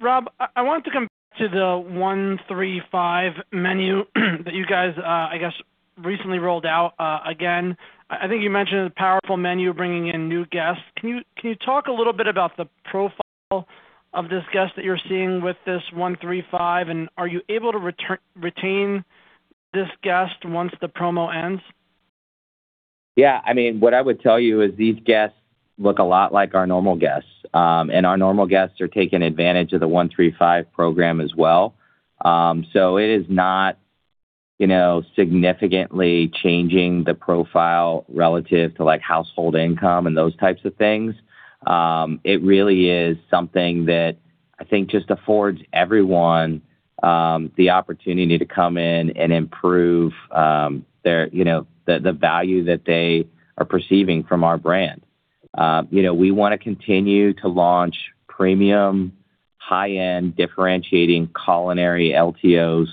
Rob, I wanted to come back to the $1, $3, $5 menu that you guys, I guess, recently rolled out. Again, I think you mentioned a powerful menu bringing in new guests. Can you talk a little bit about the profile of this guest that you're seeing with this $1, $3, $5? Are you able to retain this guest once the promo ends? Yeah, I mean, what I would tell you is these guests look a lot like our normal guests, and our normal guests are taking advantage of the $1, $3, $5 program as well. It is not, you know, significantly changing the profile relative to, like, household income and those types of things. It really is something that I think just affords everyone the opportunity to come in and improve their, you know, the value that they are perceiving from our brand. You know, we wanna continue to launch premium, high-end, differentiating culinary LTOs.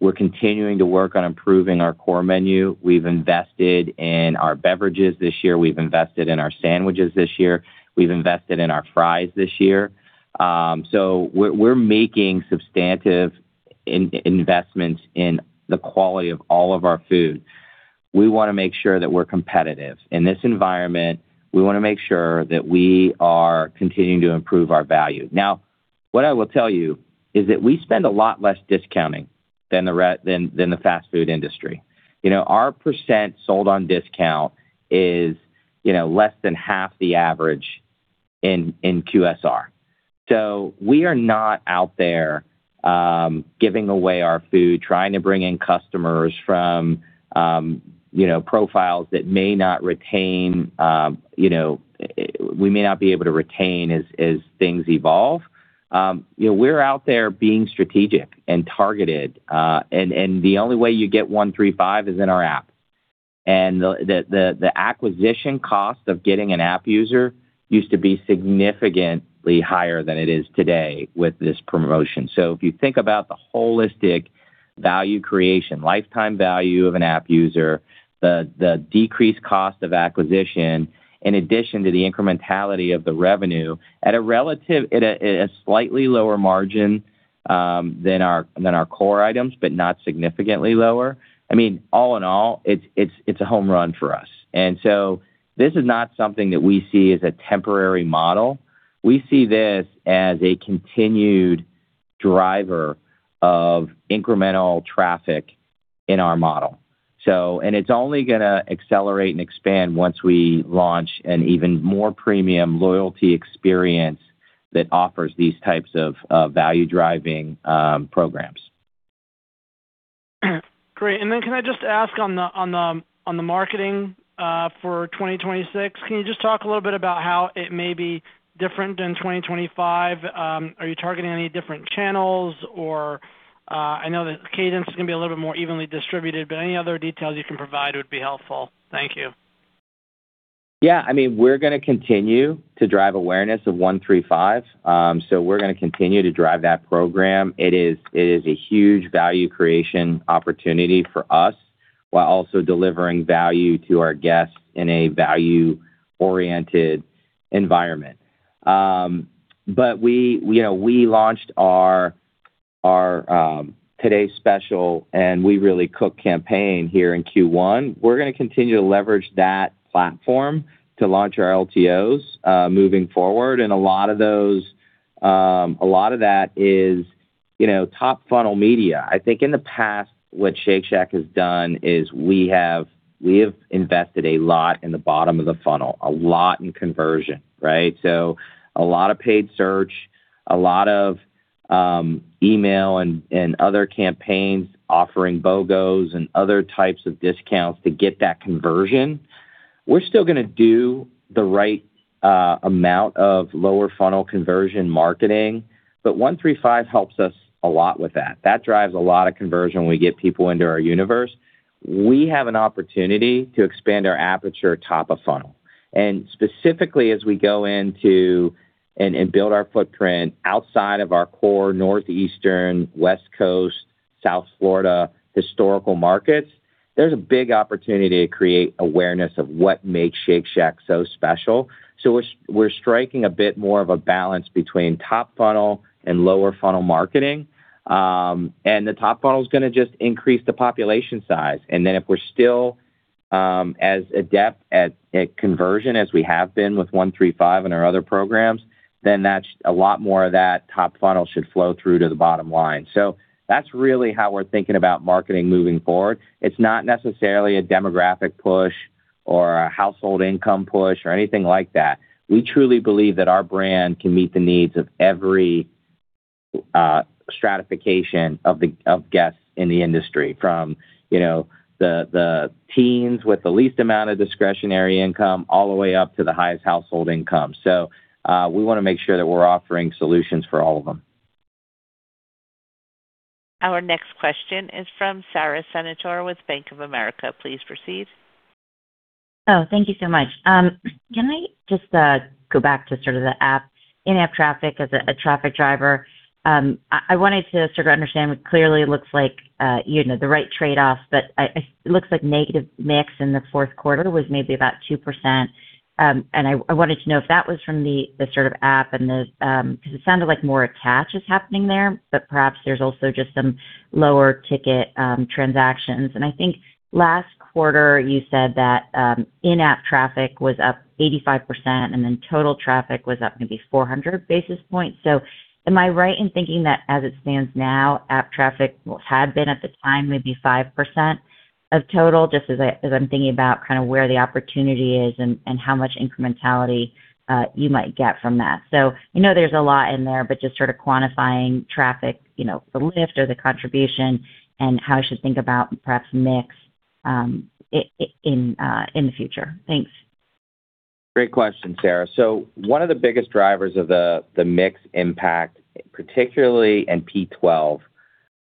We're continuing to work on improving our core menu. We've invested in our beverages this year. We've invested in our sandwiches this year. We've invested in our fries this year. We're making substantive investments in the quality of all of our food. We wanna make sure that we're competitive. In this environment, we wanna make sure that we are continuing to improve our value. What I will tell you is that we spend a lot less discounting than the fast food industry. You know, our % sold on discount is, you know, less than half the average in QSR. We are not out there giving away our food, trying to bring in customers from, you know, profiles that may not retain, you know, we may not be able to retain as things evolve. You know, we're out there being strategic and targeted, and the only way you get $1, $3, $5 is in our app. The acquisition cost of getting an app user used to be significantly higher than it is today with this promotion. If you think about the holistic value creation, lifetime value of an app user, the decreased cost of acquisition, in addition to the incrementality of the revenue at a slightly lower margin than our core items, but not significantly lower, I mean, all in all, it's a home run for us. This is not something that we see as a temporary model. We see this as a continued driver of incremental traffic in our model. It's only gonna accelerate and expand once we launch an even more premium loyalty experience that offers these types of value-driving programs. Great. Can I just ask on the marketing for 2026? Can you just talk a little bit about how it may be different than 2025? Are you targeting any different channels or I know that cadence is gonna be a little bit more evenly distributed, but any other details you can provide would be helpful. Thank you. Yeah, I mean, we're gonna continue to drive awareness of $1, $3, $5. We're gonna continue to drive that program. It is a huge value creation opportunity for us, while also delivering value to our guests in a value-oriented environment. We, you know, we launched our today's special, and We Really Cook campaign here in Q1. We're gonna continue to leverage that platform to launch our LTOs moving forward. A lot of those, a lot of that is, you know, top funnel media. I think in the past, what Shake Shack has done is we have invested a lot in the bottom of the funnel, a lot in conversion, right? A lot of paid search, a lot of email and other campaigns offering BOGOs and other types of discounts to get that conversion. We're still gonna do the right amount of lower funnel conversion marketing, but $1, $3, $5 helps us a lot with that. That drives a lot of conversion when we get people into our universe. We have an opportunity to expand our aperture top of funnel, and specifically, as we go into and build our footprint outside of our core northeastern, West Coast, South Florida, historical markets, there's a big opportunity to create awareness of what makes Shake Shack so special. We're, we're striking a bit more of a balance between top funnel and lower funnel marketing. The top funnel's gonna just increase the population size. If we're still as adept at conversion as we have been with $1, $3, $5 and our other programs, then a lot more of that top funnel should flow through to the bottom line. That's really how we're thinking about marketing moving forward. It's not necessarily a demographic push or a household income push or anything like that. We truly believe that our brand can meet the needs of every stratification of guests in the industry, from, you know, the teens with the least amount of discretionary income, all the way up to the highest household income. We wanna make sure that we're offering solutions for all of them. Our next question is from Sara Senatore with Bank of America. Please proceed. Oh, thank you so much. Can I just go back to sort of the app, in-app traffic as a traffic driver? I wanted to sort of understand what clearly looks like, you know, the right trade-off, but I-It looks like negative mix in the Q4 was maybe about 2%. And I wanted to know if that was from the sort of app and the, because it sounded like more attach is happening there, but perhaps there's also just some lower ticket, transactions. And I think last quarter, you said that, in-app traffic was up 85%, and then total traffic was up maybe 400 basis points. Am I right in thinking that, as it stands now, app traffic had been, at the time, maybe 5% of total? Just as I'm thinking about kind of where the opportunity is and how much incrementality, you might get from that. I know there's a lot in there, but just sort of quantifying traffic, you know, the lift or the contribution and how I should think about perhaps mix, in the future. Thanks. Great question, Sara. One of the biggest drivers of the mix impact, particularly in P12,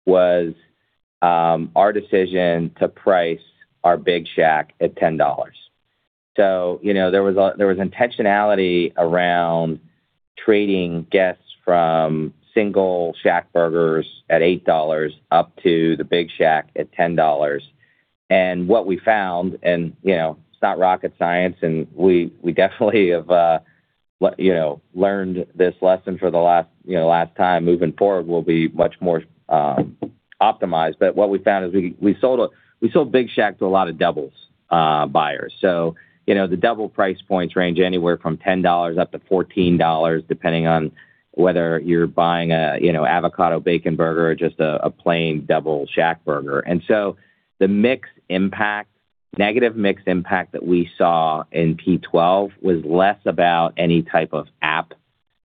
was our decision to price our Big Shack at $10. You know, there was intentionality around trading guests from single ShackBurgers at $8 up to the Big Shack at $10. What we found, and, you know, it's not rocket science, and we definitely have, you know, learned this lesson for the last, you know, last time. Moving forward, we'll be much more optimized. What we found is we sold Big Shack to a lot of doubles, buyers. You know, the double price points range anywhere from $10 up to $14, depending on whether you're buying a, you know, avocado bacon burger or just a plain double ShackBurger. The negative mix impact that we saw in P12 was less about any type of app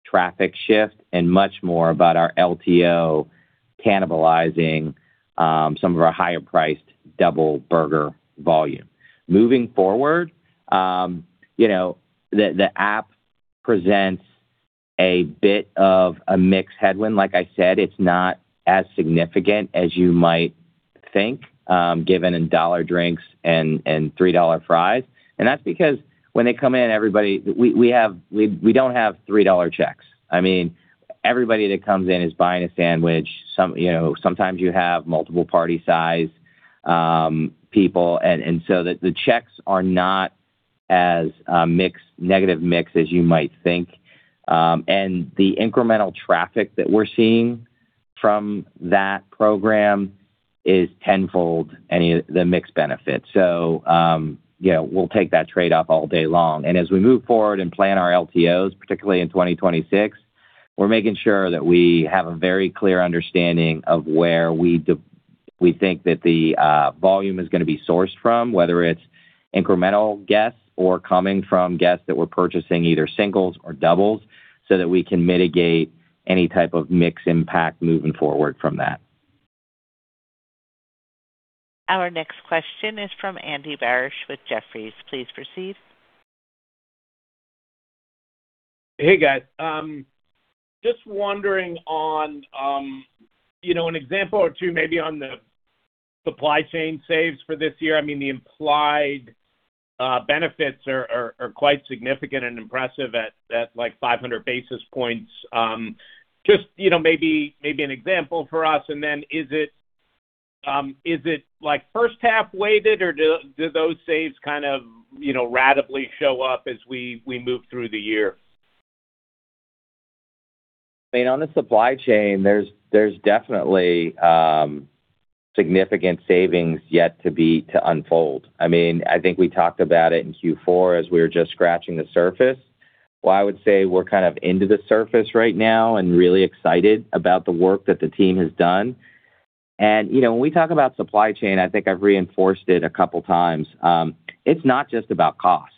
traffic shift and much more about our LTO cannibalizing some of our higher priced double burger volume. Moving forward, you know, the app presents a bit of a mix headwind. Like I said, it's not as significant as you might think, given $1 drinks and $3 fries. That's because when they come in, everybody, we don't have $3 checks. I mean, everybody that comes in is buying a sandwich. Some, you know, sometimes you have multiple party size people. So the checks are not as negative mix as you might think. The incremental traffic that we're seeing from that program is tenfold any of the mix benefits. You know, we'll take that trade-off all day long. As we move forward and plan our LTOs, particularly in 2026, we're making sure that we have a very clear understanding of where we think that the volume is gonna be sourced from, whether it's incremental guests or coming from guests that were purchasing either singles or doubles, so that we can mitigate any type of mix impact moving forward from that. Our next question is from Andy Barish with Jefferies. Please proceed. Hey, guys. Just wondering on, you know, an example or two maybe on the supply chain saves for this year? I mean, the implied benefits are quite significant and impressive at, like, 500 basis points. Just, you know, maybe an example for us, and then is it, like, first half weighted, or do those saves kind of, you know, ratably show up as we move through the year? I mean, on the supply chain, there's definitely significant savings yet to unfold. I mean, I think we talked about it in Q4 as we were just scratching the surface. Well, I would say we're kind of into the surface right now and really excited about the work that the team has done. You know, when we talk about supply chain, I think I've reinforced it a couple times. It's not just about cost.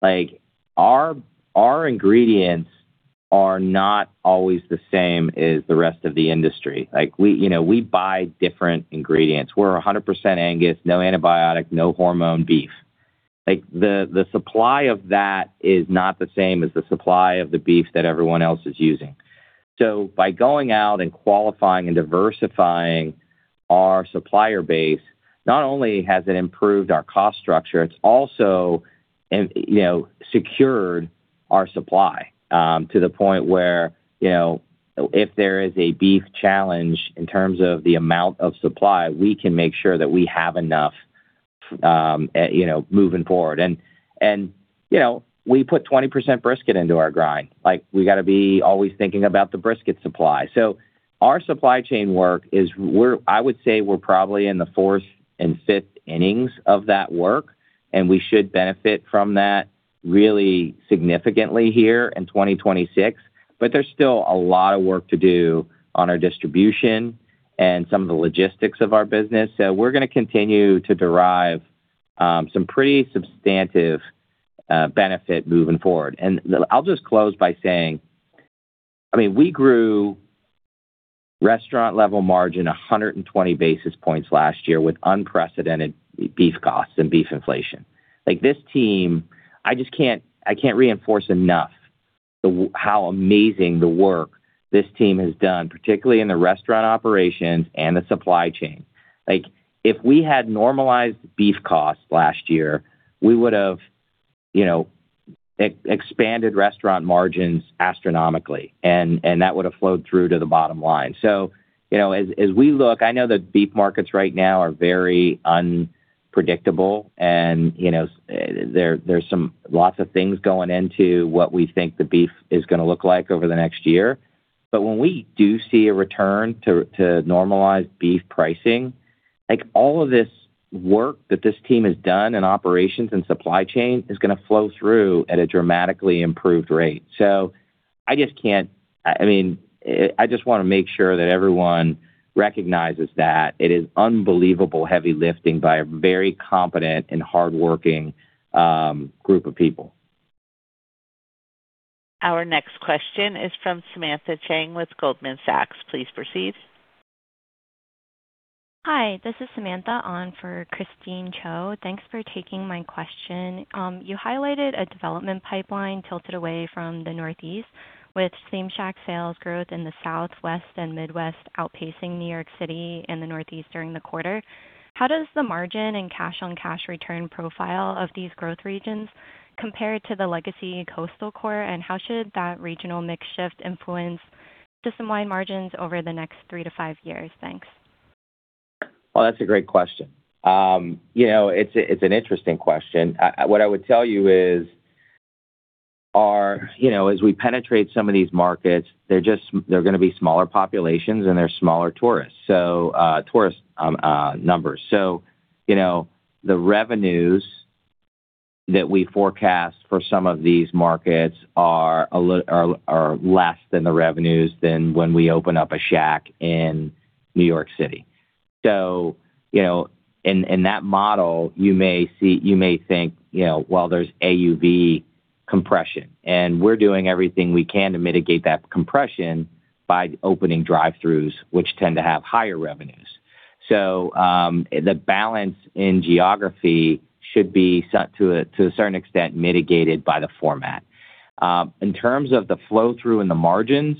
Like, our ingredients are not always the same as the rest of the industry. Like, we, you know, we buy different ingredients. We're 100% Angus, no antibiotic, no hormone beef. Like, the supply of that is not the same as the supply of the beef that everyone else is using. By going out and qualifying and diversifying our supplier base, not only has it improved our cost structure, it's also, you know, secured our supply to the point where, you know, if there is a beef challenge in terms of the amount of supply, we can make sure that we have enough, you know, moving forward. You know, we put 20% brisket into our grind. Like, we gotta be always thinking about the brisket supply. Our supply chain work is I would say we're probably in the fourth and fifth innings of that work, and we should benefit from that really significantly here in 2026. There's still a lot of work to do on our distribution and some of the logistics of our business. We're gonna continue to derive some pretty substantive benefit moving forward. I'll just close by saying, I mean, we grew restaurant-level profit margin 120 basis points last year with unprecedented beef costs and beef inflation. Like, this team, I just can't reinforce enough how amazing the work this team has done, particularly in the restaurant operations and the supply chain. Like, if we had normalized beef costs last year, we would've, you know, expanded restaurant margins astronomically, and that would have flowed through to the bottom line. You know, as we look, I know the beef markets right now are very unpredictable, and, you know, there's some lots of things going into what we think the beef is gonna look like over the next year. When we do see a return to normalized beef pricing, like, all of this work that this team has done in operations and supply chain is gonna flow through at a dramatically improved rate. I just can't-I mean, I just wanna make sure that everyone recognizes that. It is unbelievable heavy lifting by a very competent and hardworking group of people. Our next question is from Samantha Chiang with Goldman Sachs. Please proceed. Hi, this is Samantha on for Christine Cho. Thanks for taking my question. You highlighted a development pipeline tilted away from the Northeast, with Same-Shack sales growth in the South, West, and Midwest outpacing New York City and the Northeast during the quarter. How does the margin and cash-on-cash return profile of these growth regions compare to the legacy coastal core, and how should that regional mix shift influence system-wide margins over the next three to five years? Thanks. Well, that's a great question. you know, it's a, it's an interesting question. What I would tell you is you know, as we penetrate some of these markets, they're just, they're gonna be smaller populations, and they're smaller tourists, so tourist numbers. you know, the revenues that we forecast for some of these markets are less than the revenues than when we open up a Shack in New York City. you know, in that model, you may think, you know, well, there's AUV compression, and we're doing everything we can to mitigate that compression by opening drive-thrus, which tend to have higher revenues. The balance in geography should be set to a certain extent, mitigated by the format. In terms of the flow-through and the margins,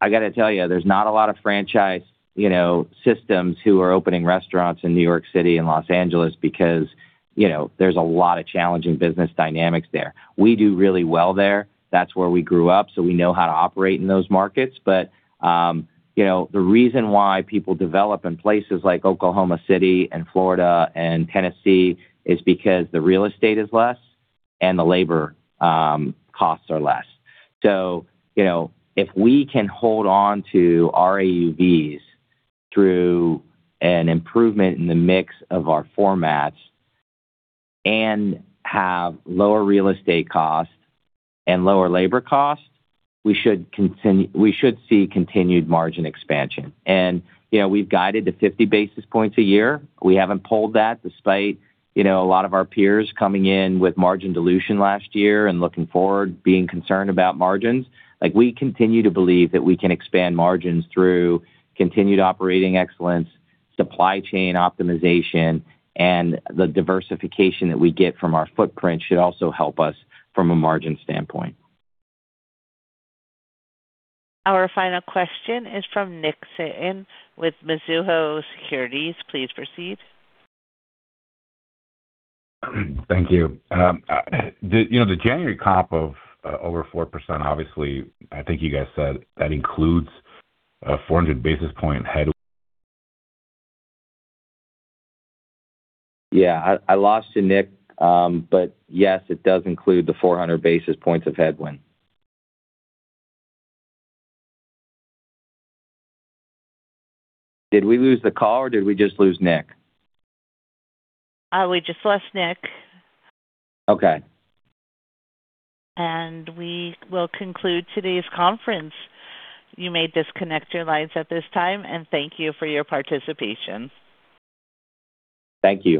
I gotta tell you, there's not a lot of franchise, you know, systems who are opening restaurants in New York City and Los Angeles because, you know, there's a lot of challenging business dynamics there. We do really well there. That's where we grew up, so we know how to operate in those markets. You know, the reason why people develop in places like Oklahoma City and Florida and Tennessee is because the real estate is less and the labor costs are less. You know, if we can hold on to our AUVs through an improvement in the mix of our formats and have lower real estate costs and lower labor costs, we should see continued margin expansion. You know, we've guided to 50 basis points a year. We haven't pulled that despite, you know, a lot of our peers coming in with margin dilution last year and looking forward, being concerned about margins. Like, we continue to believe that we can expand margins through continued operating excellence, supply chain optimization, and the diversification that we get from our footprint should also help us from a margin standpoint. Our final question is from Nick Setyan with Mizuho Securities. Please proceed. Thank you. You know, the January comp of over 4%, obviously, I think you guys said that includes a 400 basis point headwind. Yeah, I lost you, Nick, but yes, it does include the 400 basis points of headwind. Did we lose the call, or did we just lose Nick? We just lost Nick. Okay. We will conclude today's conference. You may disconnect your lines at this time, and thank you for your participation. Thank you.